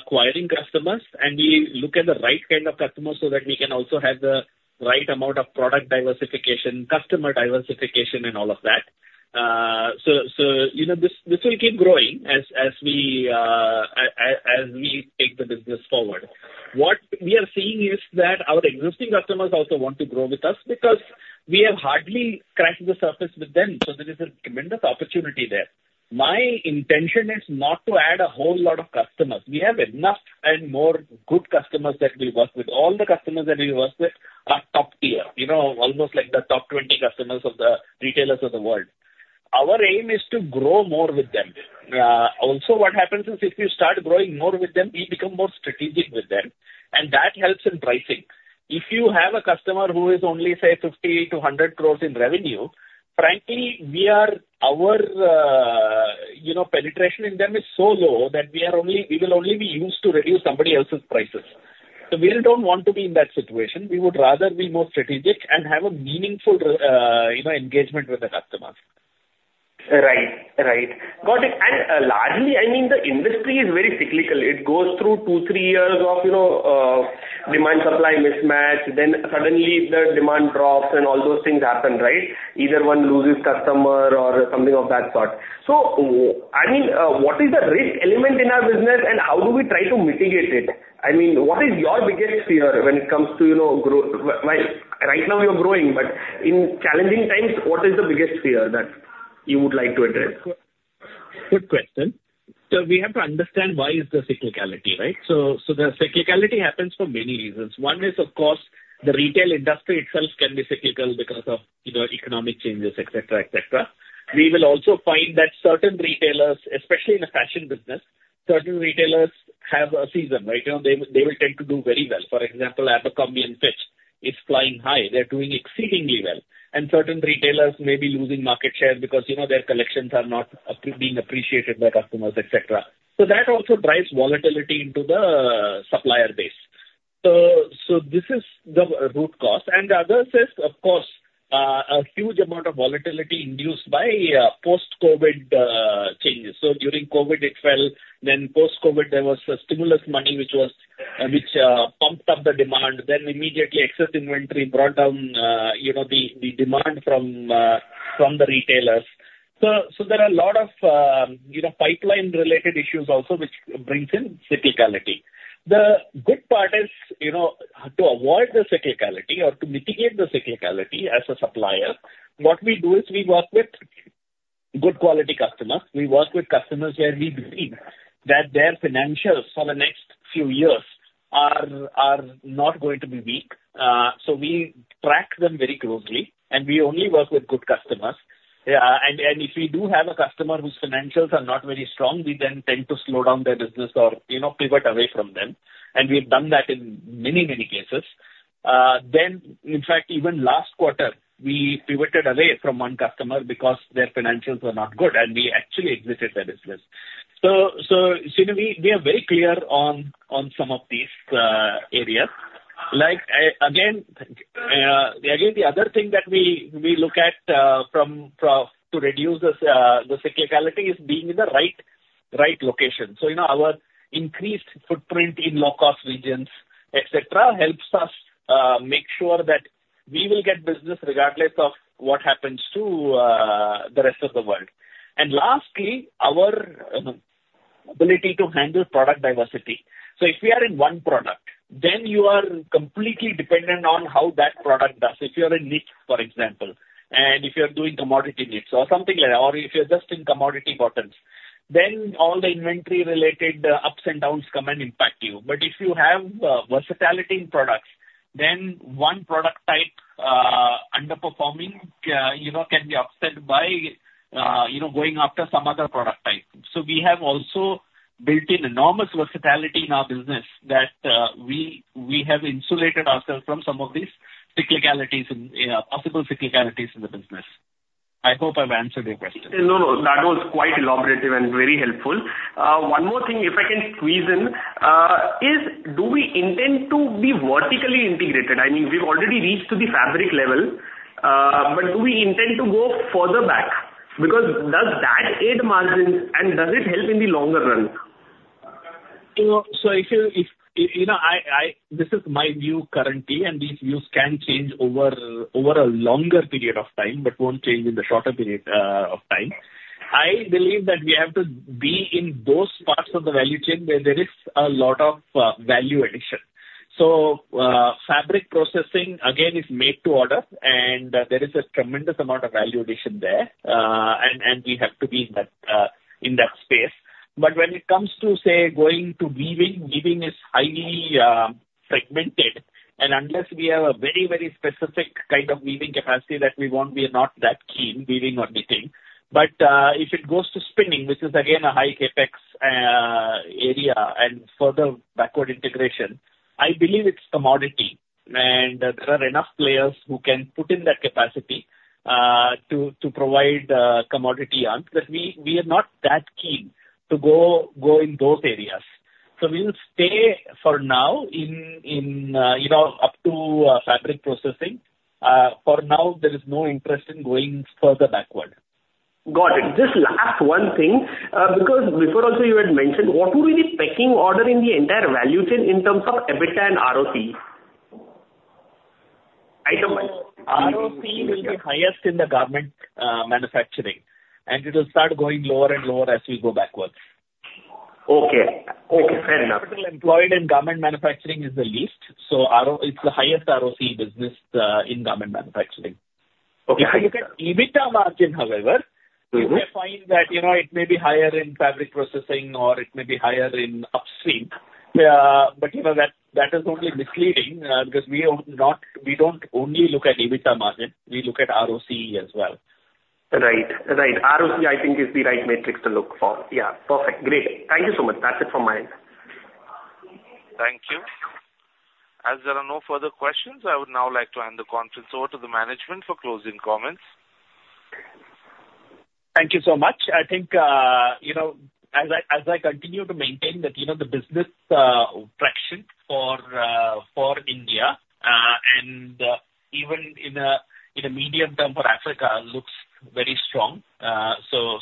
[SPEAKER 3] acquiring customers, and we look at the right kind of customers so that we can also have the right amount of product diversification, customer diversification, and all of that. So this will keep growing as we take the business forward. What we are seeing is that our existing customers also want to grow with us because we have hardly cracked the surface with them. So there is a tremendous opportunity there. My intention is not to add a whole lot of customers. We have enough and more good customers that we work with. All the customers that we work with are top tier, almost like the top 20 customers of the retailers of the world. Our aim is to grow more with them. Also, what happens is if you start growing more with them, we become more strategic with them. That helps in pricing. If you have a customer who is only, say, 50-100 crores in revenue, frankly, our penetration in them is so low that we will only be used to reduce somebody else's prices. So we don't want to be in that situation. We would rather be more strategic and have a meaningful engagement with the customers.
[SPEAKER 6] Right. Right. Got it. And largely, I mean, the industry is very cyclical. It goes through two, three years of demand-supply mismatch, then suddenly the demand drops and all those things happen, right? Either one loses customer or something of that sort. So I mean, what is the risk element in our business, and how do we try to mitigate it? I mean, what is your biggest fear when it comes to growth? Right now, we are growing, but in challenging times, what is the biggest fear that you would like to address?
[SPEAKER 3] Good question. So we have to understand why is the cyclicality, right? So the cyclicality happens for many reasons. One is, of course, the retail industry itself can be cyclical because of economic changes, etc., etc. We will also find that certain retailers, especially in the fashion business, certain retailers have a season, right? They will tend to do very well. For example, Abercrombie & Fitch is flying high. They're doing exceedingly well. And certain retailers may be losing market share because their collections are not being appreciated by customers, etc. So that also drives volatility into the supplier base. So this is the root cause. And the other is, of course, a huge amount of volatility induced by post-COVID changes. So during COVID, it fell. Then post-COVID, there was stimulus money which pumped up the demand. Then immediately, excess inventory brought down the demand from the retailers. So there are a lot of pipeline-related issues also which brings in cyclicality. The good part is to avoid the cyclicality or to mitigate the cyclicality as a supplier, what we do is we work with good quality customers. We work with customers where we believe that their financials for the next few years are not going to be weak. So we track them very closely, and we only work with good customers. And if we do have a customer whose financials are not very strong, we then tend to slow down their business or pivot away from them. And we have done that in many, many cases. Then, in fact, even last quarter, we pivoted away from one customer because their financials were not good, and we actually exited their business. So we are very clear on some of these areas. Again, the other thing that we look at to reduce the cyclicality is being in the right location. So our increased footprint in low-cost regions, etc., helps us make sure that we will get business regardless of what happens to the rest of the world. And lastly, our ability to handle product diversity. So if we are in one product, then you are completely dependent on how that product does. If you're in knits, for example, and if you're doing commodity knits or something like that, or if you're just in commodity bottoms, then all the inventory-related ups and downs come and impact you. But if you have versatility in products, then one product type underperforming can be upset by going after some other product type. So we have also built in enormous versatility in our business that we have insulated ourselves from some of these possible cyclicalities in the business. I hope I've answered your question.
[SPEAKER 6] No, no. That was quite elaborative and very helpful. One more thing, if I can squeeze in, is do we intend to be vertically integrated? I mean, we've already reached to the fabric level, but do we intend to go further back? Because, does that aid margins, and does it help in the longer run?
[SPEAKER 3] So if you, this is my view currently, and these views can change over a longer period of time but won't change in the shorter period of time. I believe that we have to be in those parts of the value chain where there is a lot of value addition. So fabric processing, again, is made to order, and there is a tremendous amount of value addition there, and we have to be in that space. But when it comes to, say, going to weaving, weaving is highly fragmented. And unless we have a very, very specific kind of weaving capacity that we want, we are not that keen, weaving or knitting. But if it goes to spinning, which is, again, a high CapEx area and further backward integration, I believe it's commodity. And there are enough players who can put in that capacity to provide commodity on. But we are not that keen to go in those areas. So we will stay for now in up to fabric processing. For now, there is no interest in going further backward.
[SPEAKER 6] Got it. Just last one thing, because before also, you had mentioned what would be the pecking order in the entire value chain in terms of EBITDA and ROC?
[SPEAKER 3] ROC will be highest in the garment manufacturing, and it will start going lower and lower as we go backwards.
[SPEAKER 6] Okay. Okay. Fair enough.
[SPEAKER 3] Capital employed in garment manufacturing is the least. So it's the highest ROC business in garment manufacturing.
[SPEAKER 6] Okay. If you look at EBITDA margin, however,
[SPEAKER 3] you may find that it may be higher in fabric processing, or it may be higher in upstream. But that is only misleading because we don't only look at EBITDA margin. We look at ROC as well.
[SPEAKER 6] Right. Right. ROC, I think, is the right metric to look for. Yeah. Perfect. Great. Thank you so much. That's it from my end.
[SPEAKER 1] Thank you. As there are no further questions, I would now like to hand the conference over to the management for closing comments.
[SPEAKER 3] Thank you so much. I think as I continue to maintain that the business traction for India and even in a medium term for Africa looks very strong, so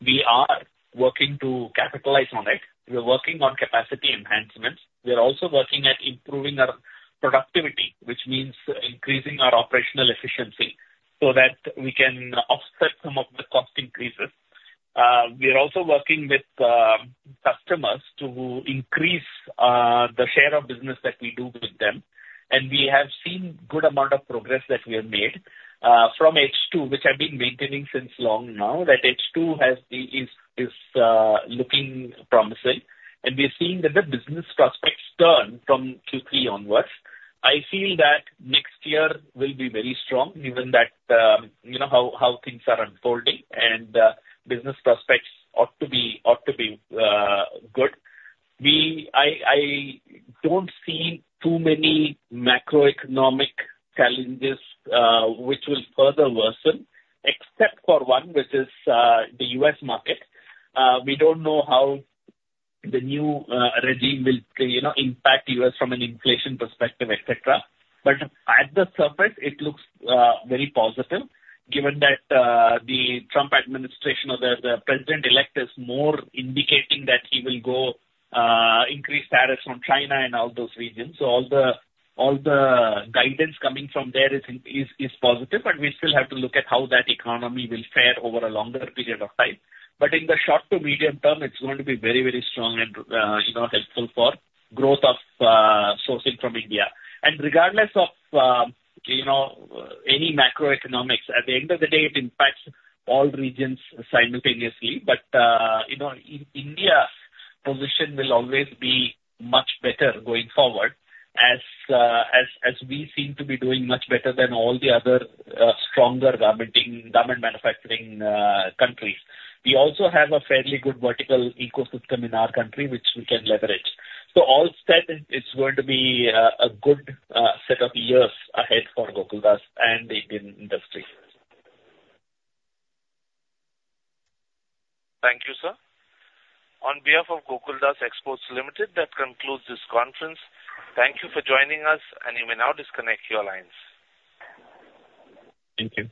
[SPEAKER 3] we are working to capitalize on it. We're working on capacity enhancements. We're also working at improving our productivity, which means increasing our operational efficiency so that we can offset some of the cost increases. We're also working with customers to increase the share of business that we do with them, and we have seen a good amount of progress that we have made from H2, which I've been maintaining since long now, that H2 is looking promising, and we're seeing that the business prospects turn from Q3 onwards. I feel that next year will be very strong, given how things are unfolding, and business prospects ought to be good. I don't see too many macroeconomic challenges which will further worsen, except for one, which is the U.S. market. We don't know how the new regime will impact the U.S. from an inflation perspective, etc. But at the surface, it looks very positive, given that the Trump administration or the president-elect is more indicating that he will go increase tariffs on China and all those regions. So all the guidance coming from there is positive, but we still have to look at how that economy will fare over a longer period of time. But in the short to medium term, it's going to be very, very strong and helpful for growth of sourcing from India. And regardless of any macroeconomics, at the end of the day, it impacts all regions simultaneously. India's position will always be much better going forward as we seem to be doing much better than all the other stronger government manufacturing countries. We also have a fairly good vertical ecosystem in our country, which we can leverage. So all said, it's going to be a good set of years ahead for Gokaldas and Indian industry.
[SPEAKER 1] Thank you, sir. On behalf of Gokaldas Exports Limited, that concludes this conference. Thank you for joining us, and you may now disconnect your lines.
[SPEAKER 3] Thank you.